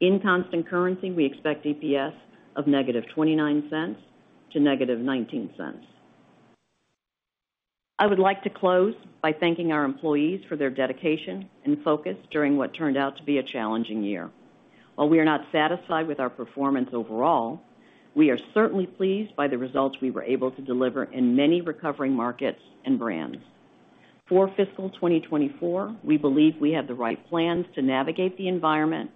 In constant currency, we expect EPS of -$0.29 to -$0.19. I would like to close by thanking our employees for their dedication and focus during what turned out to be a challenging year. While we are not satisfied with our performance overall, we are certainly pleased by the results we were able to deliver in many recovering markets and brands. For fiscal 2024, we believe we have the right plans to navigate the environment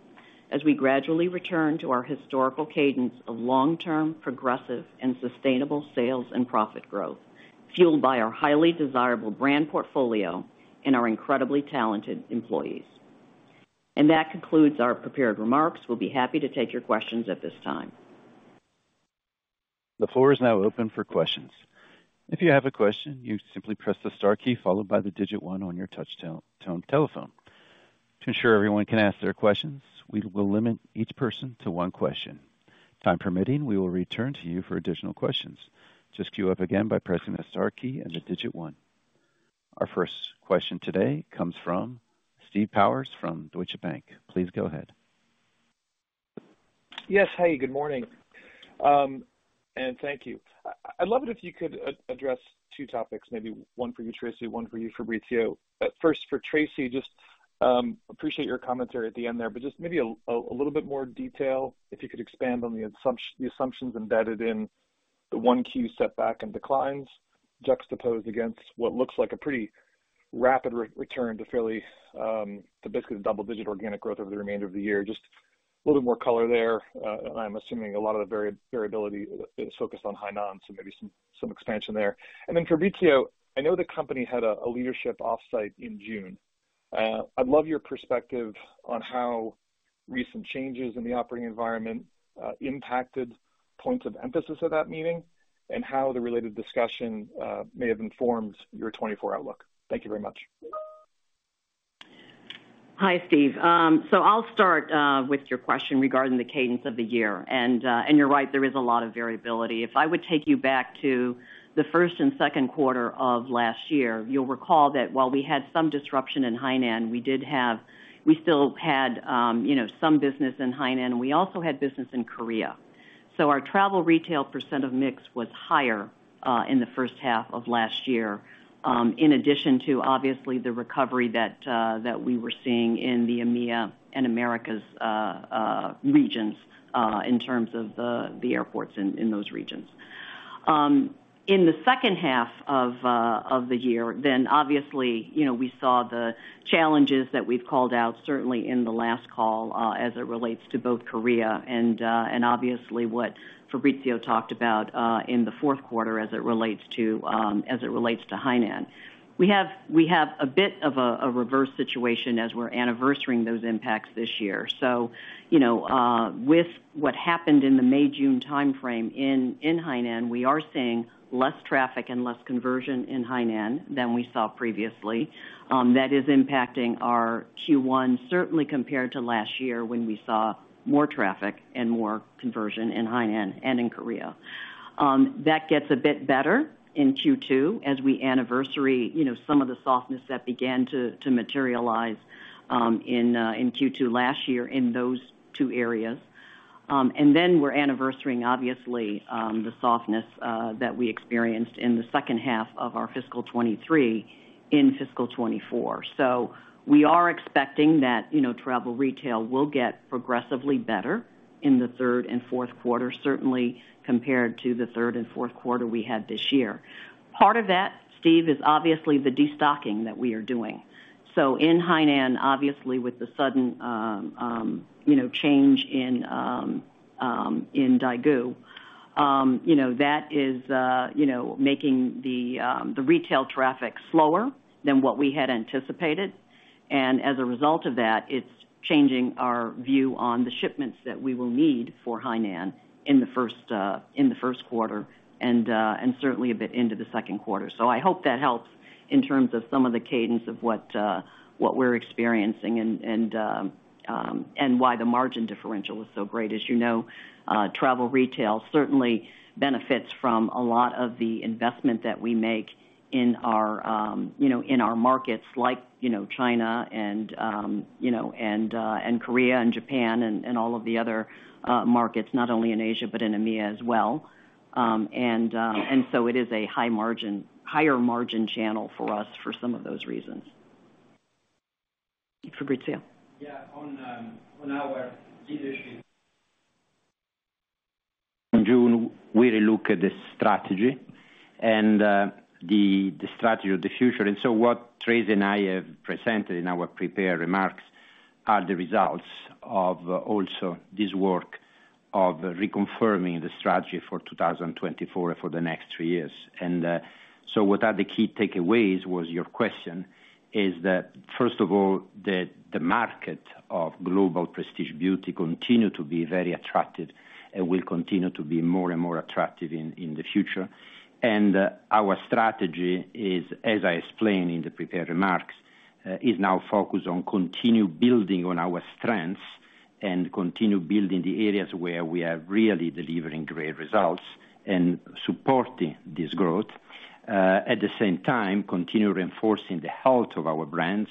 as we gradually return to our historical cadence of long-term, progressive and sustainable sales and profit growth, fueled by our highly desirable brand portfolio and our incredibly talented employees. That concludes our prepared remarks. We'll be happy to take your questions at this time. The floor is now open for questions. If you have a question, you simply press the star key followed by the digit one on your touch tone telephone. To ensure everyone can ask their questions, we will limit each person to one question. Time permitting, we will return to you for additional questions. Just queue up again by pressing the star key and the digit one. Our first question today comes from Steve Powers from Deutsche Bank. Please go ahead. Yes. Hey, good morning, and thank you. I'd love it if you could address two topics, maybe one for you, Tracey, one for you, Fabrizio. First for Tracey, just, appreciate your commentary at the end there, but just maybe a little bit more detail, if you could expand on the assumptions embedded in the one key setback and declines, juxtaposed against what looks like a pretty rapid return to fairly, to basically double-digit organic growth over the remainder of the year. Just a little more color there, and I'm assuming a lot of the variability is focused on Hainan, so maybe some, some expansion there. Then Fabrizio, I know the company had a leadership offsite in June. I'd love your perspective on how recent changes in the operating environment impacted points of emphasis of that meeting, and how the related discussion may have informed your 2024 outlook. Thank you very much. Hi, Steve. I'll start with your question regarding the cadence of the year. You're right, there is a lot of variability. If I would take you back to the first and second quarter of last year, you'll recall that while we had some disruption in Hainan, we did have-- we still had, you know, some business in Hainan, and we also had business in Korea. Our travel retail percent of mix was higher in the first half of last year, in addition to, obviously, the recovery that we were seeing in the EMEA and Americas regions in terms of the airports in those regions. In the second half of the year, obviously, you know, we saw the challenges that we've called out, certainly in the last call, as it relates to both Korea and obviously what Fabrizio talked about in the fourth quarter as it relates to Hainan. We have, we have a bit of a reverse situation as we're anniversarying those impacts this year. You know, with what happened in the May, June time frame in Hainan, we are seeing less traffic and less conversion in Hainan than we saw previously. That is impacting our Q1, certainly compared to last year, when we saw more traffic and more conversion in Hainan and in Korea. That gets a bit better in Q2 as we anniversary, you know, some of the softness that began to, to materialize in Q2 last year in those two areas. We're anniversarying, obviously, the softness that we experienced in the second half of our fiscal twenty-three in fiscal twenty-four. We are expecting that, you know, travel retail will get progressively better in the third and fourth quarter, certainly compared to the third and fourth quarter we had this year. Part of that, Steve, is obviously the destocking that we are doing. In Hainan, obviously, with the sudden, you know, change in daigou, you know, that is, you know, making the retail traffic slower than what we had anticipated. As a result of that, it's changing our view on the shipments that we will need for Hainan in the first, in the first quarter, and certainly a bit into the second quarter. I hope that helps in terms of some of the cadence of what, what we're experiencing and, and, and why the margin differential is so great. As you know, travel retail certainly benefits from a lot of the investment that we make in our, you know, in our markets, like, you know, China and, you know, and Korea and Japan and, and all of the other markets, not only in Asia, but in EMEA as well. It is a higher margin channel for us for some of those reasons. Fabrizio? Yeah, on, on our leadership. In June, we relook at the strategy and the strategy of the future. So what Tracey and I have presented in our prepared remarks are the results of also this work of reconfirming the strategy for 2024 for the next three years. So what are the key takeaways, was your question, is that, first of all, that the market of global prestige beauty continue to be very attractive and will continue to be more and more attractive in the future. Our strategy is, as I explained in the prepared remarks, is now focused on continue building on our strengths and continue building the areas where we are really delivering great results and supporting this growth. At the same time, continue reinforcing the health of our brands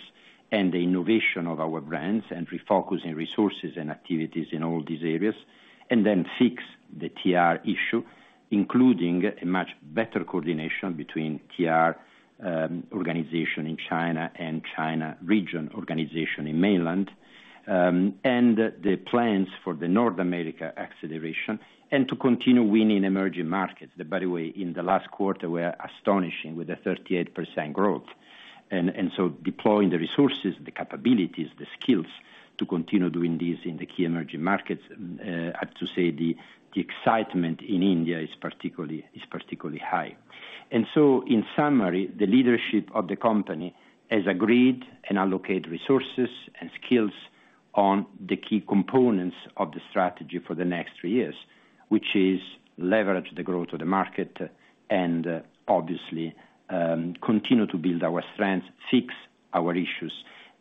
and the innovation of our brands, refocusing resources and activities in all these areas, then fix the TR issue. including a much better coordination between TR organization in China and China region organization in Mainland China. The plans for the North America acceleration and to continue winning emerging markets, that, by the way, in the last quarter were astonishing, with a 38% growth. Deploying the resources, the capabilities, the skills to continue doing this in the key emerging markets, I have to say, the excitement in India is particularly, is particularly high. In summary, the leadership of the company has agreed and allocate resources and skills on the key components of the strategy for the next three years, which is leverage the growth of the market and obviously, continue to build our strengths, fix our issues,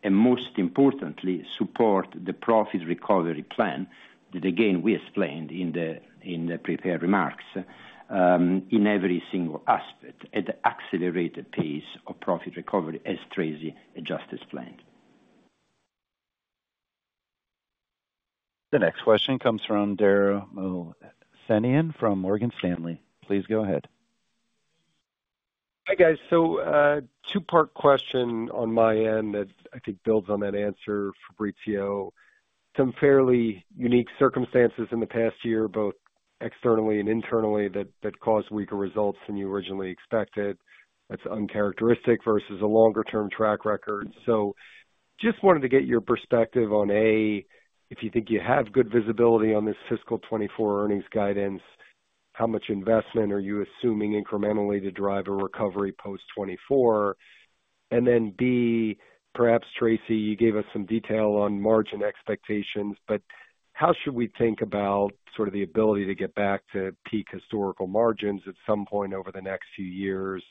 and most importantly, support the profit recovery plan, that again, we explained in the, in the prepared remarks, in every single aspect at the accelerated pace of profit recovery as Tracey just explained. The next question comes from Dara Mohsenian from Morgan Stanley. Please go ahead. Hi, guys. 2-part question on my end that I think builds on that answer, Fabrizio. Some fairly unique circumstances in the past year, both externally and internally, that, that caused weaker results than you originally expected. That's uncharacteristic versus a longer-term track record. Just wanted to get your perspective on, A, if you think you have good visibility on this fiscal 2024 earnings guidance, how much investment are you assuming incrementally to drive a recovery post 2024? B, perhaps Tracey, you gave us some detail on margin expectations, but how should we think about sort of the ability to get back to peak historical margins at some point over the next few years,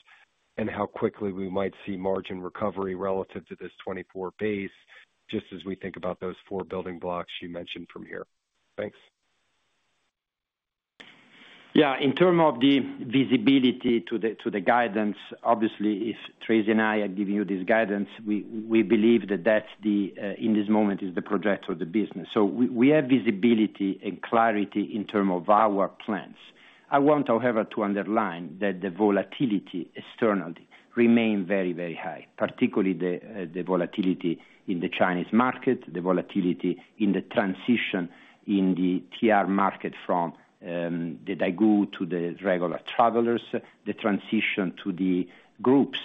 and how quickly we might see margin recovery relative to this 2024 base, just as we think about those 4 building blocks you mentioned from here? Thanks. In term of the visibility to the guidance, obviously, if Tracey and I are giving you this guidance, we believe that that's the in this moment, is the project of the business. We, we have visibility and clarity in term of our plans. I want, however, to underline that the volatility externally remain very, very high, particularly the volatility in the Chinese market, the volatility in the transition in the TR market from the daigou to the regular travelers, the transition to the groups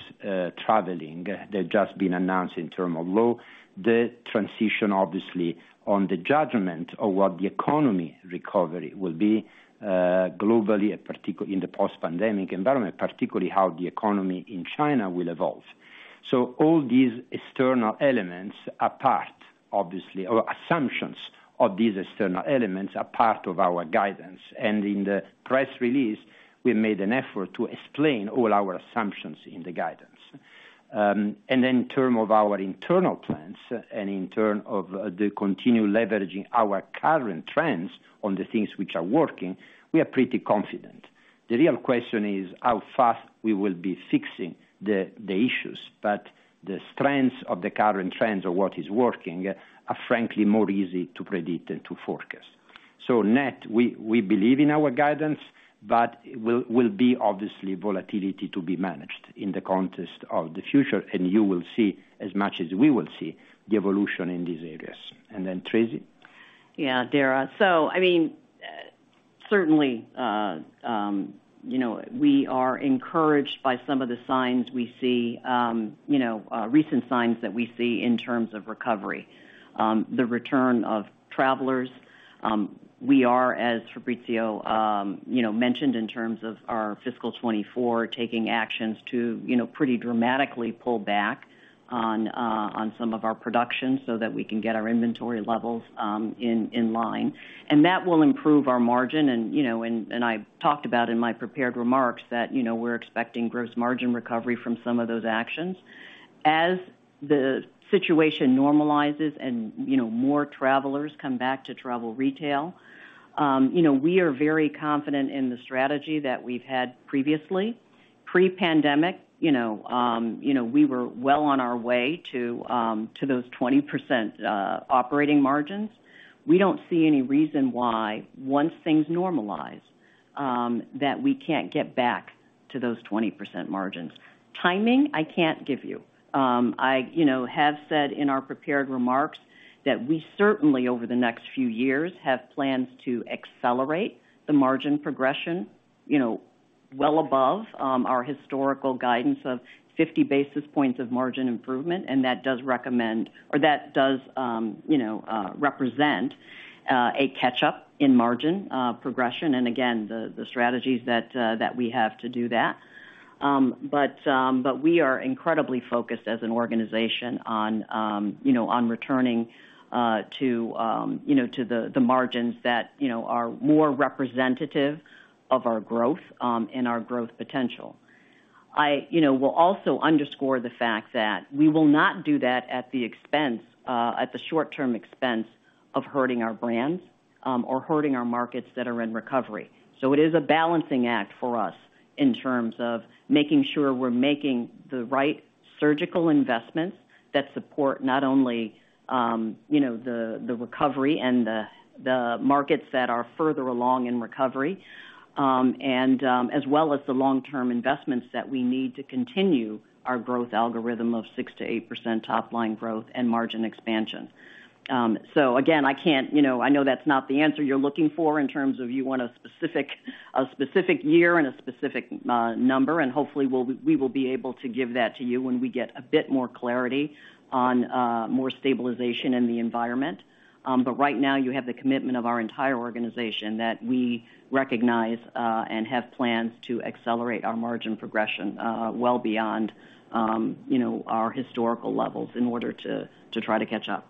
traveling, that just been announced in term of low. The transition, obviously, on the judgment of what the economy recovery will be, globally, in the post-pandemic environment, particularly how the economy in China will evolve. All these external elements are part, obviously, or assumptions of these external elements, are part of our guidance, and in the press release, we made an effort to explain all our assumptions in the guidance. In term of our internal plans and in term of the continued leveraging our current trends on the things which are working, we are pretty confident. The real question is how fast we will be fixing the, the issues, but the strengths of the current trends of what is working are frankly, more easy to predict than to forecast. Net, we, we believe in our guidance, but will, will be obviously volatility to be managed in the context of the future, and you will see, as much as we will see, the evolution in these areas. Then Tracey? Yeah, Dara. So, I mean, you know, we are encouraged by some of the signs we see, you know, recent signs that we see in terms of recovery, the return of travelers. We are, as Fabrizio, you know, mentioned in terms of our fiscal 2024, taking actions to, you know, pretty dramatically pull back on some of our production so that we can get our inventory levels in line. That will improve our margin and, you know, and, I've talked about in my prepared remarks that, you know, we're expecting gross margin recovery from some of those actions. As the situation normalizes and, you know, more travelers come back to travel retail, you know, we are very confident in the strategy that we've had previously. Pre-pandemic, you know, you know, we were well on our way to to those 20% operating margins. We don't see any reason why once things normalize that we can't get back to those 20% margins. Timing, I can't give you. I, you know, have said in our prepared remarks that we certainly, over the next few years, have plans to accelerate the margin progression, you know, well above our historical guidance of 50 basis points of margin improvement, and that does recommend or that does, you know, represent a catch-up in margin progression, and again, the, the strategies that we have to do that. We are incredibly focused as an organization on, you know, on returning to, you know, the margins that, you know, are more representative of our growth and our growth potential. You know, we'll also underscore the fact that we will not do that at the expense, at the short-term expense of hurting our brands or hurting our markets that are in recovery. It is a balancing act for us in terms of making sure we're making the right surgical investments that support not only, you know, the recovery and the markets that are further along in recovery, and as well as the long-term investments that we need to continue our growth algorithm of 6%-8% top line growth and margin expansion. Again, I can't, you know, I know that's not the answer you're looking for in terms of you want a specific, a specific year and a specific number, and hopefully we'll, we will be able to give that to you when we get a bit more clarity on more stabilization in the environment. Right now, you have the commitment of our entire organization that we recognize and have plans to accelerate our margin progression well beyond, you know, our historical levels in order to try to catch up.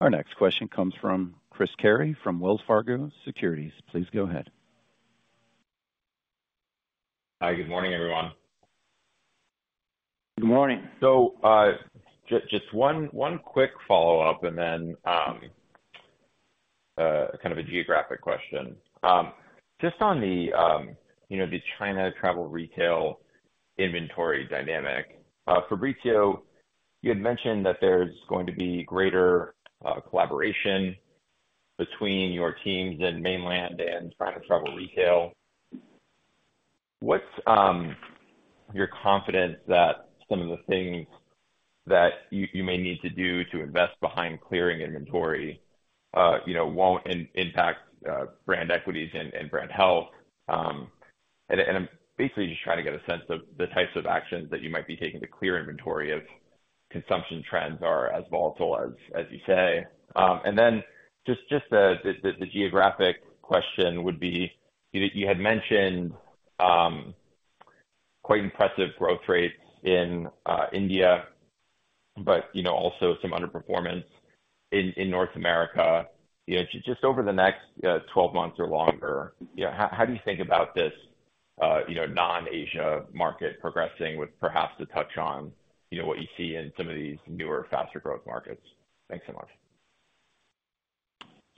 Our next question comes from Chris Carey, from Wells Fargo Securities. Please go ahead. Hi, good morning, everyone. Good morning. Just one, one quick follow-up, and then, kind of a geographic question. Just on the, you know, the China travel retail inventory dynamic, Fabrizio, you had mentioned that there's going to be greater collaboration between your teams in Mainland China and China travel retail. What's your confidence that some of the things that you, you may need to do to invest behind clearing inventory, you know, won't impact brand equities and, and brand health? And I'm basically just trying to get a sense of the types of actions that you might be taking to clear inventory if consumption trends are as volatile as, as you say. Just the geographic question would be, you know, you had mentioned, quite impressive growth rates in India, but, you know, also some underperformance in North America. You know, just over the next 12 months or longer, you know, how, how do you think about this, you know, non-Asia market progressing with perhaps the touch on, you know, what you see in some of these newer, faster growth markets? Thanks so much.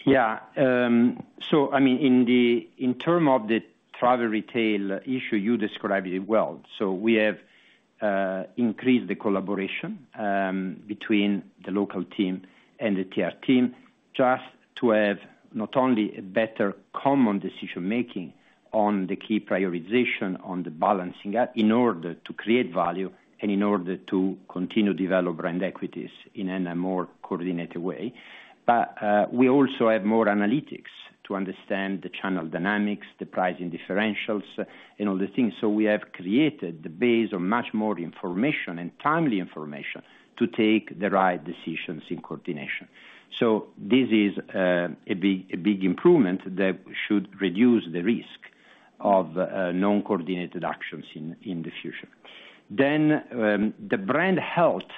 Yeah. I mean, in terms of the travel retail issue, you described it well. We have increased the collaboration between the local team and the TR team, just to have not only a better common decision-making on the key prioritization, on the balancing act, in order to create value and in order to continue develop brand equities in a more coordinated way. We also have more analytics to understand the channel dynamics, the pricing differentials, and all the things. We have created the base of much more information and timely information to take the right decisions in coordination. This is a big improvement that should reduce the risk of non-coordinated actions in the future. The brand health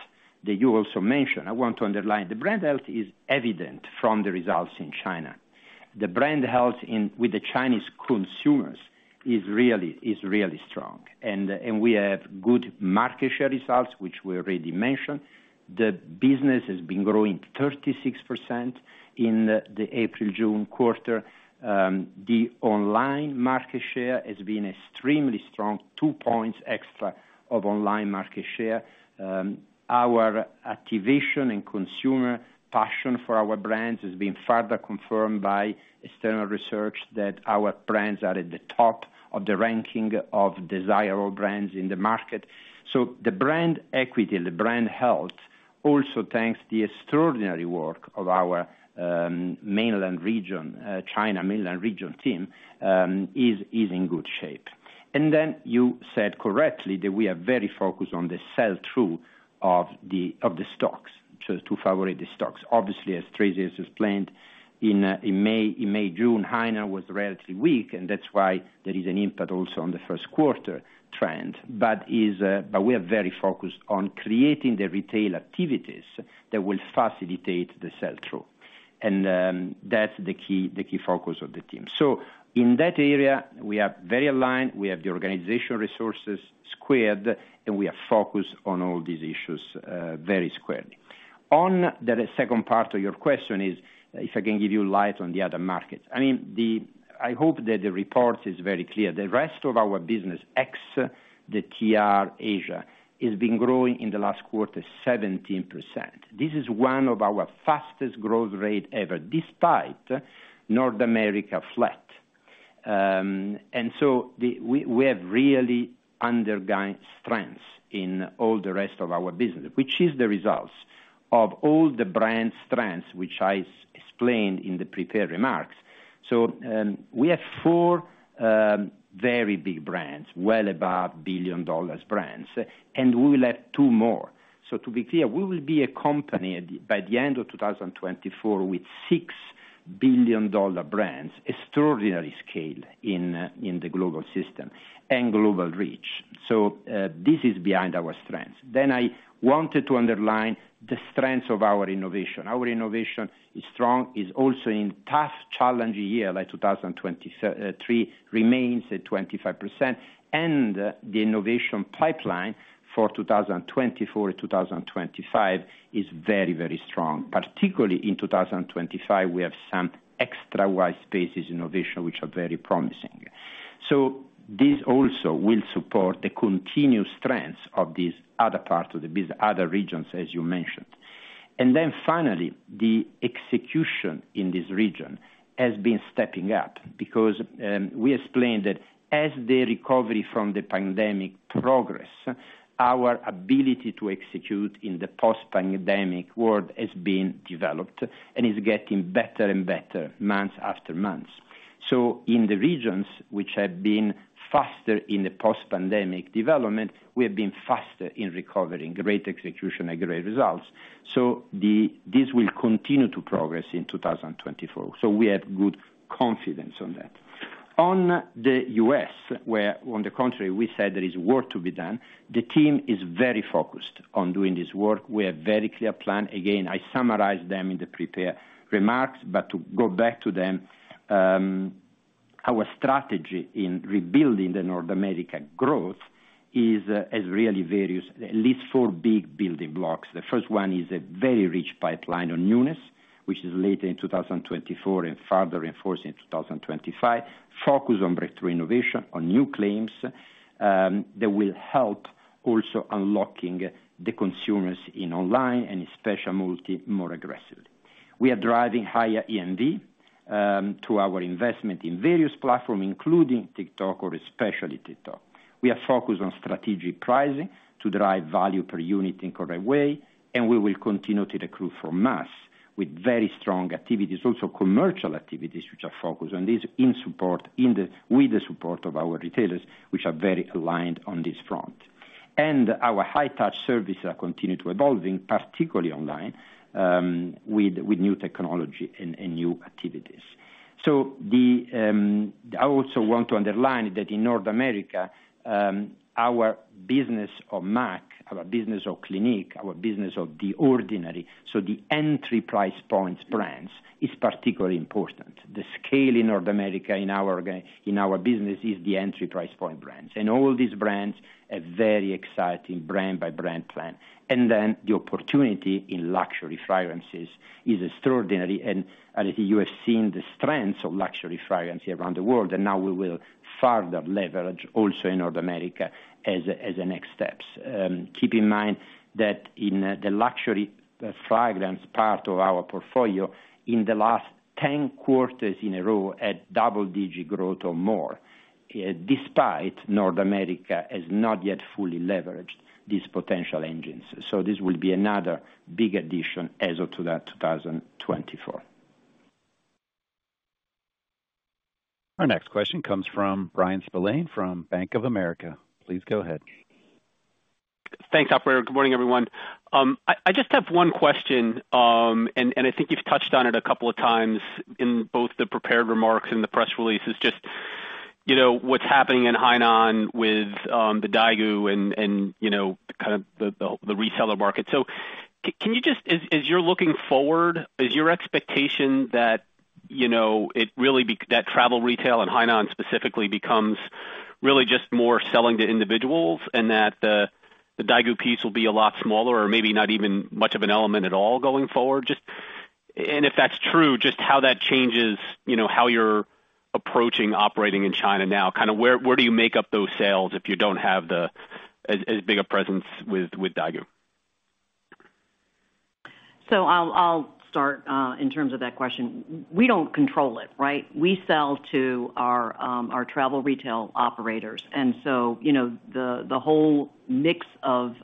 that you also mentioned, I want to underline, the brand health is evident from the results in China. The brand health in- with the Chinese consumers is really, is really strong, and, and we have good market share results, which we already mentioned. The business has been growing 36% in the April-June quarter. The online market share has been extremely strong, two points extra of online market share. Our activation and consumer passion for our brands has been further confirmed by external research that our brands are at the top of the ranking of desirable brands in the market. The brand equity, the brand health also thanks the extraordinary work of our, mainland region, China Mainland region team, is in good shape. You said correctly that we are very focused on the sell-through of the, of the stocks, so to favorite the stocks. Obviously, as Tracey has explained, in May, June, China was relatively weak, and that's why there is an impact also on the first quarter trend. Is, but we are very focused on creating the retail activities that will facilitate the sell-through. That's the key, the key focus of the team. In that area, we are very aligned. We have the organizational resources squared, and we are focused on all these issues, very squarely. On the second part of your question is, if I can give you light on the other markets. I mean, the... I hope that the report is very clear. The rest of our business, ex the TR Asia, has been growing in the last quarter, 17%. This is one of our fastest growth rate ever, despite North America flat. The, we, we have really undergone strength in all the rest of our business, which is the results of all the brand strengths, which I explained in the prepared remarks. We have four very big brands, well above billion-dollar brands, and we will have two more. To be clear, we will be a company by the end of 2024 with six billion-dollar brands, extraordinary scale in the global system and global reach. This is behind our strength. I wanted to underline the strength of our innovation. Our innovation is strong, is also in tough challenge year, like 2023, remains at 25%. The innovation pipeline for 2024, 2025 is very strong, particularly in 2025, we have some extra white spaces innovation, which are very promising. This also will support the continuous trends of these other parts of the other regions, as you mentioned. Then finally, the execution in this region has been stepping up because we explained that as the recovery from the pandemic progress, our ability to execute in the post-pandemic world has been developed and is getting better and better, month after month. In the regions which have been faster in the post-pandemic development, we have been faster in recovering, great execution and great results, this will continue to progress in 2024. We have good confidence on that. On the U.S., where on the contrary, we said there is work to be done, the team is very focused on doing this work. We have very clear plan. Again, I summarized them in the prepared remarks, but to go back to them, our strategy in rebuilding the North America growth is really various, at least four big building blocks. The first one is a very rich pipeline on newness, which is late in 2024 and further reinforced in 2025. Focus on breakthrough innovation, on new claims, that will help also unlocking the consumers in online and specialty multi more aggressively. We are driving higher EMV to our investment in various platform, including TikTok or especially TikTok. We are focused on strategic pricing to drive value per unit in correct way, and we will continue to recruit for mass with very strong activities, also commercial activities, which are focused on this, in support, in the, with the support of our retailers, which are very aligned on this front. Our high touch services are continuing to evolving, particularly online, with, with new technology and, and new activities. The, I also want to underline that in North America, our business of M.A.C, our business of Clinique, our business of The Ordinary, so the entry price points brands, is particularly important. The scale in North America, in our, in our business is the entry price point brands, and all these brands are very exciting, brand by brand plan. The opportunity in luxury fragrances is extraordinary, and I think you have seen the strengths of luxury fragrance around the world, and now we will further leverage also in North America as the next steps. Keep in mind that in the luxury fragrance part of our portfolio, in the last 10 quarters in a row, at double-digit growth or more, despite North America has not yet fully leveraged these potential engines. This will be another big addition as of to that 2024. Our next question comes from Bryan Spillane from Bank of America. Please go ahead. Thanks, operator. Good morning, everyone. I just have one question, and I think you've touched on it a couple of times in both the prepared remarks and the press releases, just, you know, what's happening in Hainan with the daigou and, you know, kind of the reseller market. Can you just as you're looking forward, is your expectation that, you know, it really that travel retail and Hainan specifically becomes really just more selling to individuals, and that the, the daigou piece will be a lot smaller or maybe not even much of an element at all going forward? Just. If that's true, just how that changes, you know, how you're approaching operating in China now, kind of where, where do you make up those sales if you don't have the, as, as big a presence with, with daigou? I'll, I'll start in terms of that question. We don't control it, right? We sell to our, our travel retail operators, and so, you know, the, the whole mix of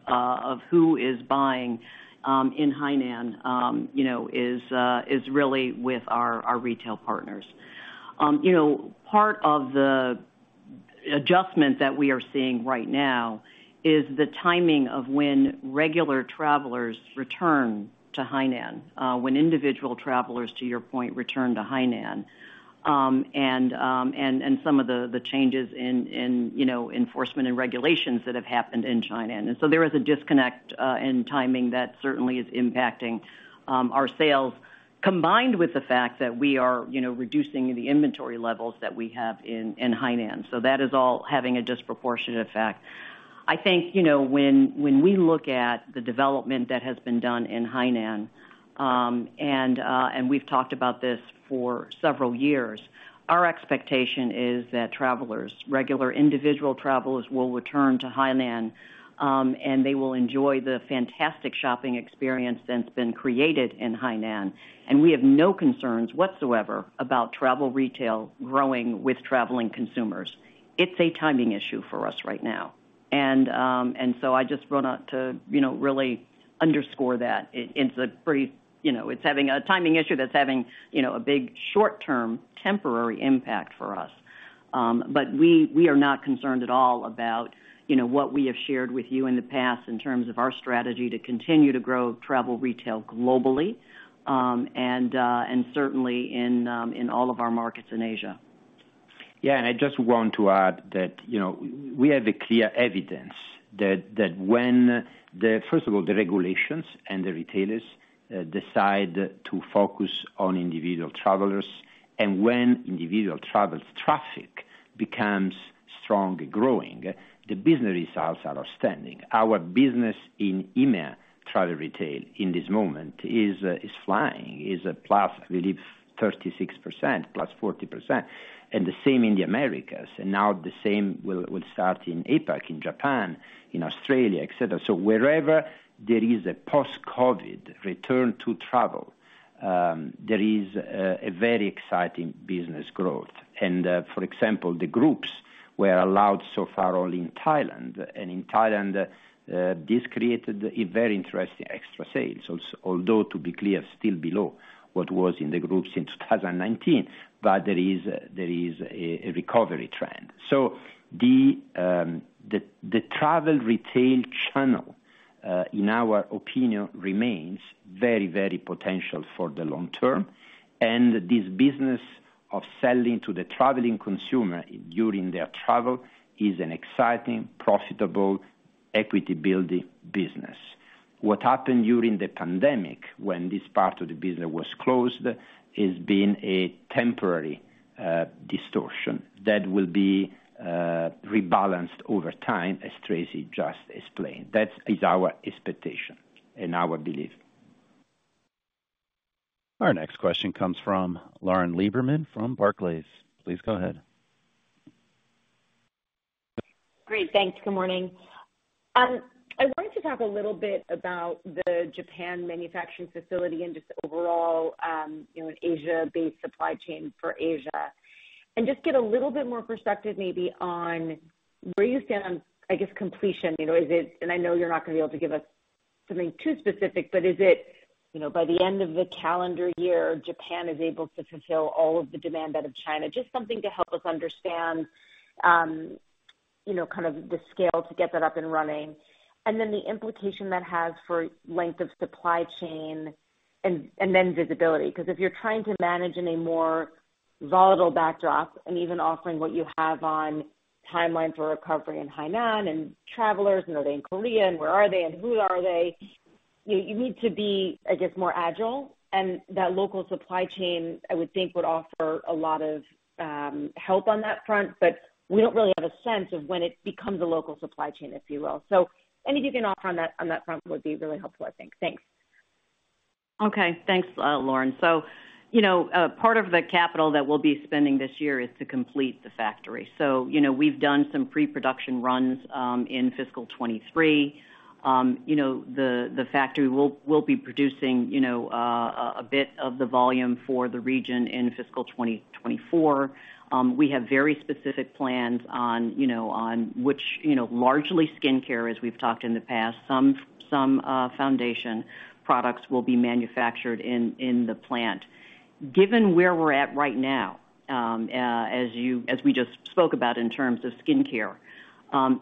who is buying in Hainan, you know, is really with our, our retail partners. You know, part of the adjustment that we are seeing right now is the timing of when regular travelers return to Hainan, when individual travelers, to your point, return to Hainan. And, and some of the, the changes in, in, you know, enforcement and regulations that have happened in China. There is a disconnect in timing that certainly is impacting our sales, combined with the fact that we are, you know, reducing the inventory levels that we have in, in Hainan. That is all having a disproportionate effect. I think, you know, when, when we look at the development that has been done in Hainan, and we've talked about this for several years, our expectation is that travelers, regular individual travelers, will return to Hainan, and they will enjoy the fantastic shopping experience that's been created in Hainan. We have no concerns whatsoever about travel retail growing with traveling consumers. It's a timing issue for us right now. So I just want to, you know, really underscore that it's a very, you know, it's having a timing issue that's having, you know, a big, short-term temporary impact for us. we, we are not concerned at all about, you know, what we have shared with you in the past in terms of our strategy to continue to grow travel retail globally, and certainly in all of our markets in Asia. I just want to add that, you know, we have clear evidence that First of all, the regulations and the retailers decide to focus on individual travelers, and when individual travel traffic becomes strongly growing, the business results are outstanding. Our business in EMEA travel retail in this moment is flying, is a plus, I believe, 36%, +40%, and the same in the Americas, and now the same will start in APAC, in Japan, in Australia, et cetera. Wherever there is a post-COVID return to travel, there is a very exciting business growth. For example, the groups were allowed so far all in Thailand, and in Thailand, this created a very interesting extra sales. Although, to be clear, still below what was in the groups in 2019, but there is a recovery trend. The travel retail channel, in our opinion, remains very, very potential for the long term, and this business of selling to the traveling consumer during their travel is an exciting, profitable, equity-building business. What happened during the pandemic, when this part of the business was closed, has been a temporary distortion that will be rebalanced over time, as Tracey just explained. That is our expectation and our belief. Our next question comes from Lauren Lieberman from Barclays. Please go ahead. Great, thanks. Good morning. I wanted to talk a little bit about the Japan manufacturing facility and just overall, you know, an Asia-based supply chain for Asia. Just get a little bit more perspective, maybe on where you stand on, I guess, completion, you know, is it... I know you're not going to be able to give us something too specific, but is it, you know, by the end of the calendar year, Japan is able to fulfill all of the demand out of China? Just something to help us understand, you know, kind of the scale to get that up and running, and then the implication that has for length of supply chain and, and then visibility. If you're trying to manage in a more volatile backdrop and even offering what you have on timeline for recovery in Hainan and travelers, and are they in Korea, and where are they, and who are they? You, you need to be, I guess, more agile, and that local supply chain, I would think, would offer a lot of help on that front. We don't really have a sense of when it becomes a local supply chain, if you will. Anything you can offer on that, on that front would be really helpful, I think. Thanks. Okay. Thanks, Lauren. You know, part of the capital that we'll be spending this year is to complete the factory. You know, we've done some pre-production runs in fiscal 2023. You know, the factory will be producing, you know, a bit of the volume for the region in fiscal 2024. We have very specific plans on, you know, on which, you know, largely skincare, as we've talked in the past. Some foundation products will be manufactured in the plant. Given where we're at right now, as you, as we just spoke about in terms of skincare,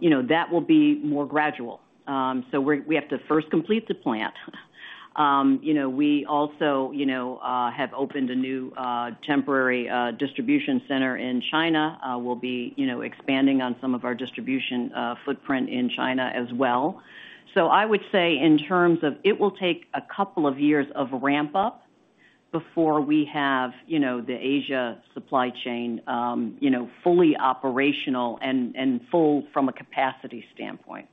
you know, that will be more gradual. We're, we have to first complete the plant. You know, we also, you know, have opened a new, temporary, distribution center in China. We'll be, you know, expanding on some of our distribution footprint in China as well. I would say in terms of... It will take a couple of years of ramp-up before we have, you know, the Asia supply chain, you know, fully operational and, and full from a capacity standpoint.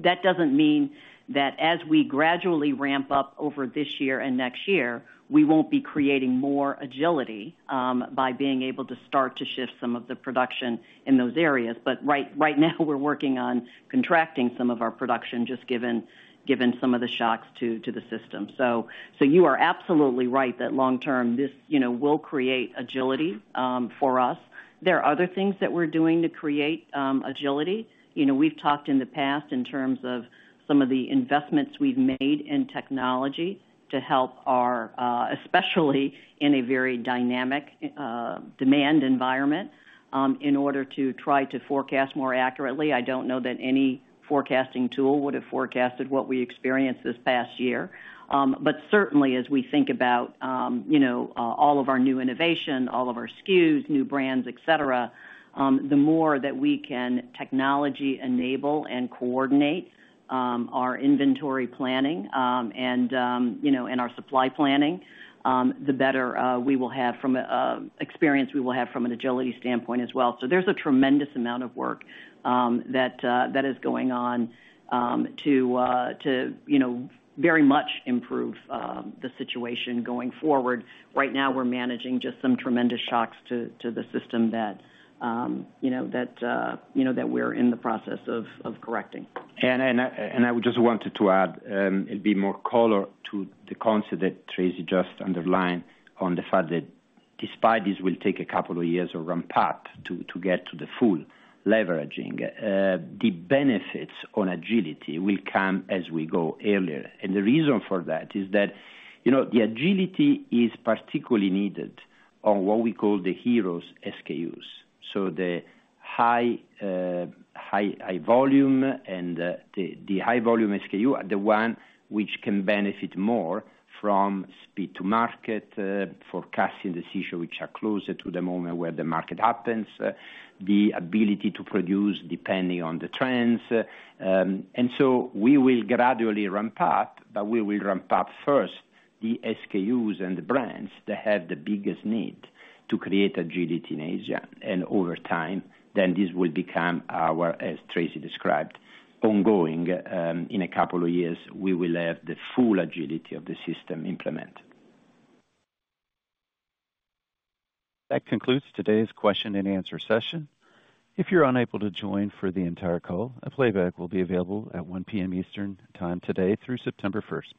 That doesn't mean that as we gradually ramp up over this year and next year, we won't be creating more agility by being able to start to shift some of the production in those areas. Right, right now, we're working on contracting some of our production, just given some of the shocks to, to the system. You are absolutely right that long term, this, you know, will create agility for us. There are other things that we're doing to create agility. You know, we've talked in the past in terms of some of the investments we've made in technology to help our, especially in a very dynamic, demand environment, in order to try to forecast more accurately. I don't know that any forecasting tool would have forecasted what we experienced this past year. But certainly as we think about, you know, all of our new innovation, all of our SKUs, new brands, et cetera, the more that we can technology enable and coordinate, our inventory planning, and, you know, and our supply planning, the better, we will have from a experience we will have from an agility standpoint as well. So there's a tremendous amount of work that that is going on to to, you know, very much improve the situation going forward. Right now, we're managing just some tremendous shocks to the system that, you know, that, you know, that we're in the process of correcting. I, and I, and I just wanted to add a bit more color to the concept that Tracey just underlined on the fact that despite this will take two years to ramp up, to get to the full leveraging, the benefits on agility will come as we go earlier. The reason for that is that, you know, the agility is particularly needed on what we call the heroes SKUs. The high, high volume and the high volume SKU are the one which can benefit more from speed to market, forecasting decisions which are closer to the moment where the market happens, the ability to produce, depending on the trends. We will gradually ramp up, but we will ramp up first the SKUs and the brands that have the biggest need to create agility in Asia, and over time, then this will become our, as Tracey described, ongoing. In 2 years, we will have the full agility of the system implemented. That concludes today's question and answer session. If you're unable to join for the entire call, a playback will be available at 1:00PM. Eastern Time today through September first.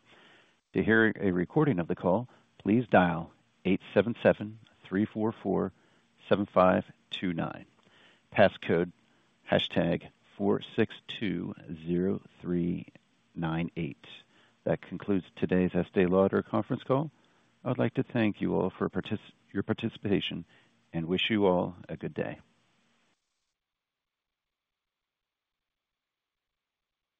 To hear a recording of the call, please dial 8773447529. Passcode, #4620398. That concludes today's Estée Lauder conference call. I would like to thank you all for your participation, and wish you all a good day.